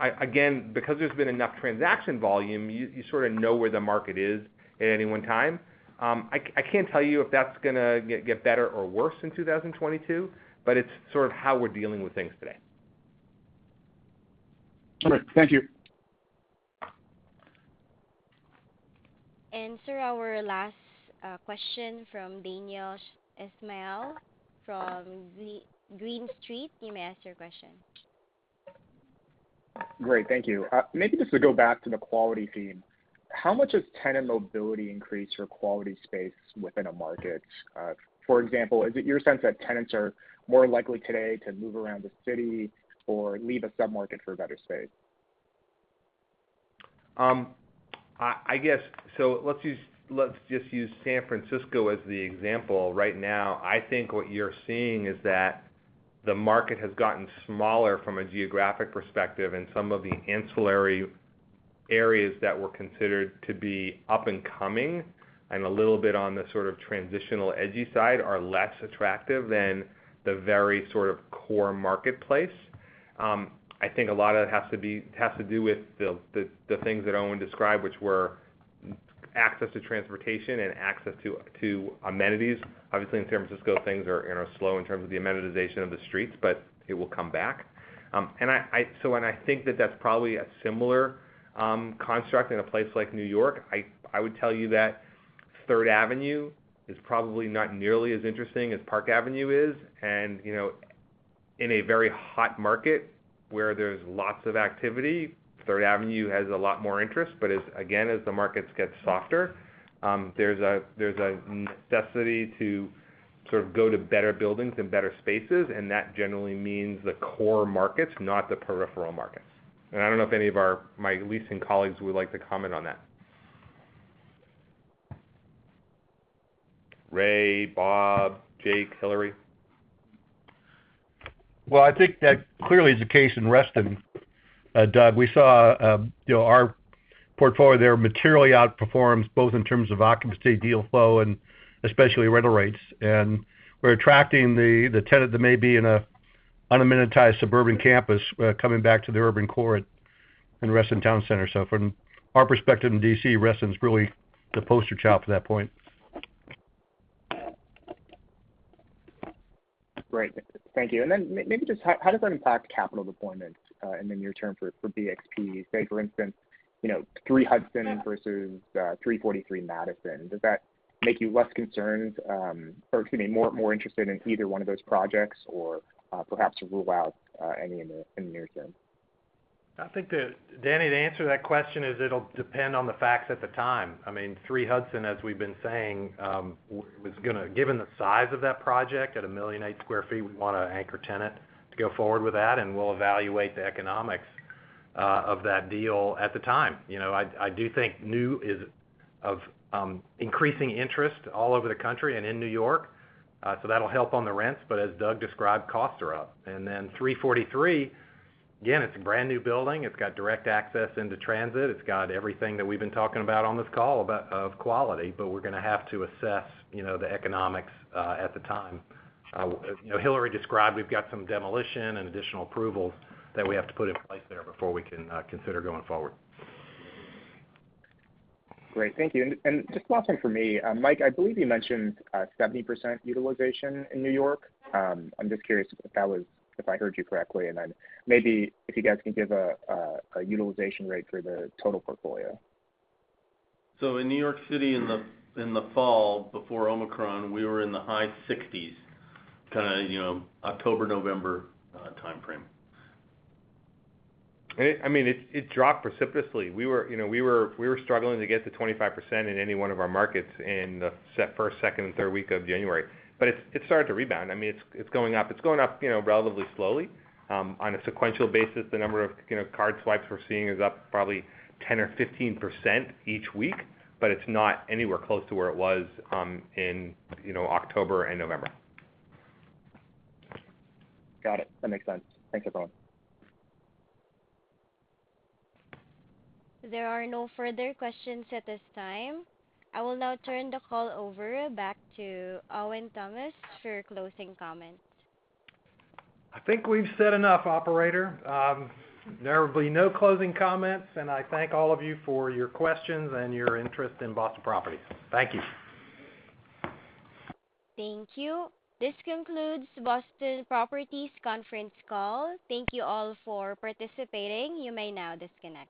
Again, because there's been enough transaction volume, you sort of know where the market is at any one time. I can't tell you if that's gonna get better or worse in 2022, but it's sort of how we're dealing with things today. All right. Thank you. Sir, our last question from Daniel Ismail from Green Street. You may ask your question. Great. Thank you. Maybe just to go back to the quality theme, how much does tenant mobility increase your quality space within a market? For example, is it your sense that tenants are more likely today to move around the city or leave a sub-market for a better space? Let's just use San Francisco as the example right now. I think what you're seeing is that the market has gotten smaller from a geographic perspective, and some of the ancillary areas that were considered to be up and coming and a little bit on the sort of transitional edgy side are less attractive than the very sort of core marketplace. I think a lot of it has to do with the things that Owen described, which were access to transportation and access to amenities. Obviously, in San Francisco, things are, you know, slow in terms of the amenitization of the streets, but it will come back. I think that that's probably a similar construct in a place like New York. I would tell you that Third Avenue is probably not nearly as interesting as Park Avenue is. You know, in a very hot market where there's lots of activity, Third Avenue has a lot more interest. As, again, as the markets get softer, there's a necessity to sort of go to better buildings and better spaces, and that generally means the core markets, not the peripheral markets. I don't know if any of my leasing colleagues would like to comment on that. Ray, Bob, Jake, Hilary. Well, I think that clearly is the case in Reston, Doug. We saw, you know, our portfolio there materially outperforms, both in terms of occupancy, deal flow, and especially rental rates. We're attracting the tenant that may be in a unamenitized suburban campus, coming back to the urban core in Reston Town Center. From our perspective in D.C., Reston's really the poster child for that point. Great. Thank you. Maybe just how does that impact capital deployment, and then your term for BXP? Say for instance, you know, 3 Hudson versus 343 Madison. Does that make you less concerned, or excuse me, more interested in either one of those projects or perhaps rule out any in the near term? I think, Danny, to answer that question, it'll depend on the facts at the time. I mean, 3 Hudson, as we've been saying, given the size of that project at 1.8 million sq ft, we want an anchor tenant to go forward with that, and we'll evaluate the economics of that deal at the time. You know, I do think new is of increasing interest all over the country and in New York, so that'll help on the rents. But as Doug described, costs are up. Then 343, again, it's a brand-new building. It's got direct access into transit. It's got everything that we've been talking about on this call about quality, but we're gonna have to assess, you know, the economics at the time. You know, Hilary described we've got some demolition and additional approvals that we have to put in place there before we can consider going forward. Great. Thank you. Just last one for me. Mike, I believe you mentioned 70% utilization in New York. I'm just curious if I heard you correctly and then maybe if you guys can give a utilization rate for the total portfolio. In New York City in the fall before Omicron, we were in the high 60s, kinda, you know, October-November timeframe. It dropped precipitously. We were struggling to get to 25% in any one of our markets in the first, second, and third week of January. It started to rebound. I mean, it's going up. It's going up, you know, relatively slowly. On a sequential basis, the number of card swipes we're seeing is up probably 10% or 15% each week, but it's not anywhere close to where it was in October and November. Got it. That makes sense. Thanks, everyone. There are no further questions at this time. I will now turn the call over back to Owen Thomas for your closing comments. I think we've said enough, operator. There will be no closing comments, and I thank all of you for your questions and your interest in Boston Properties. Thank you. Thank you. This concludes Boston Properties' conference call. Thank you all for participating. You may now disconnect.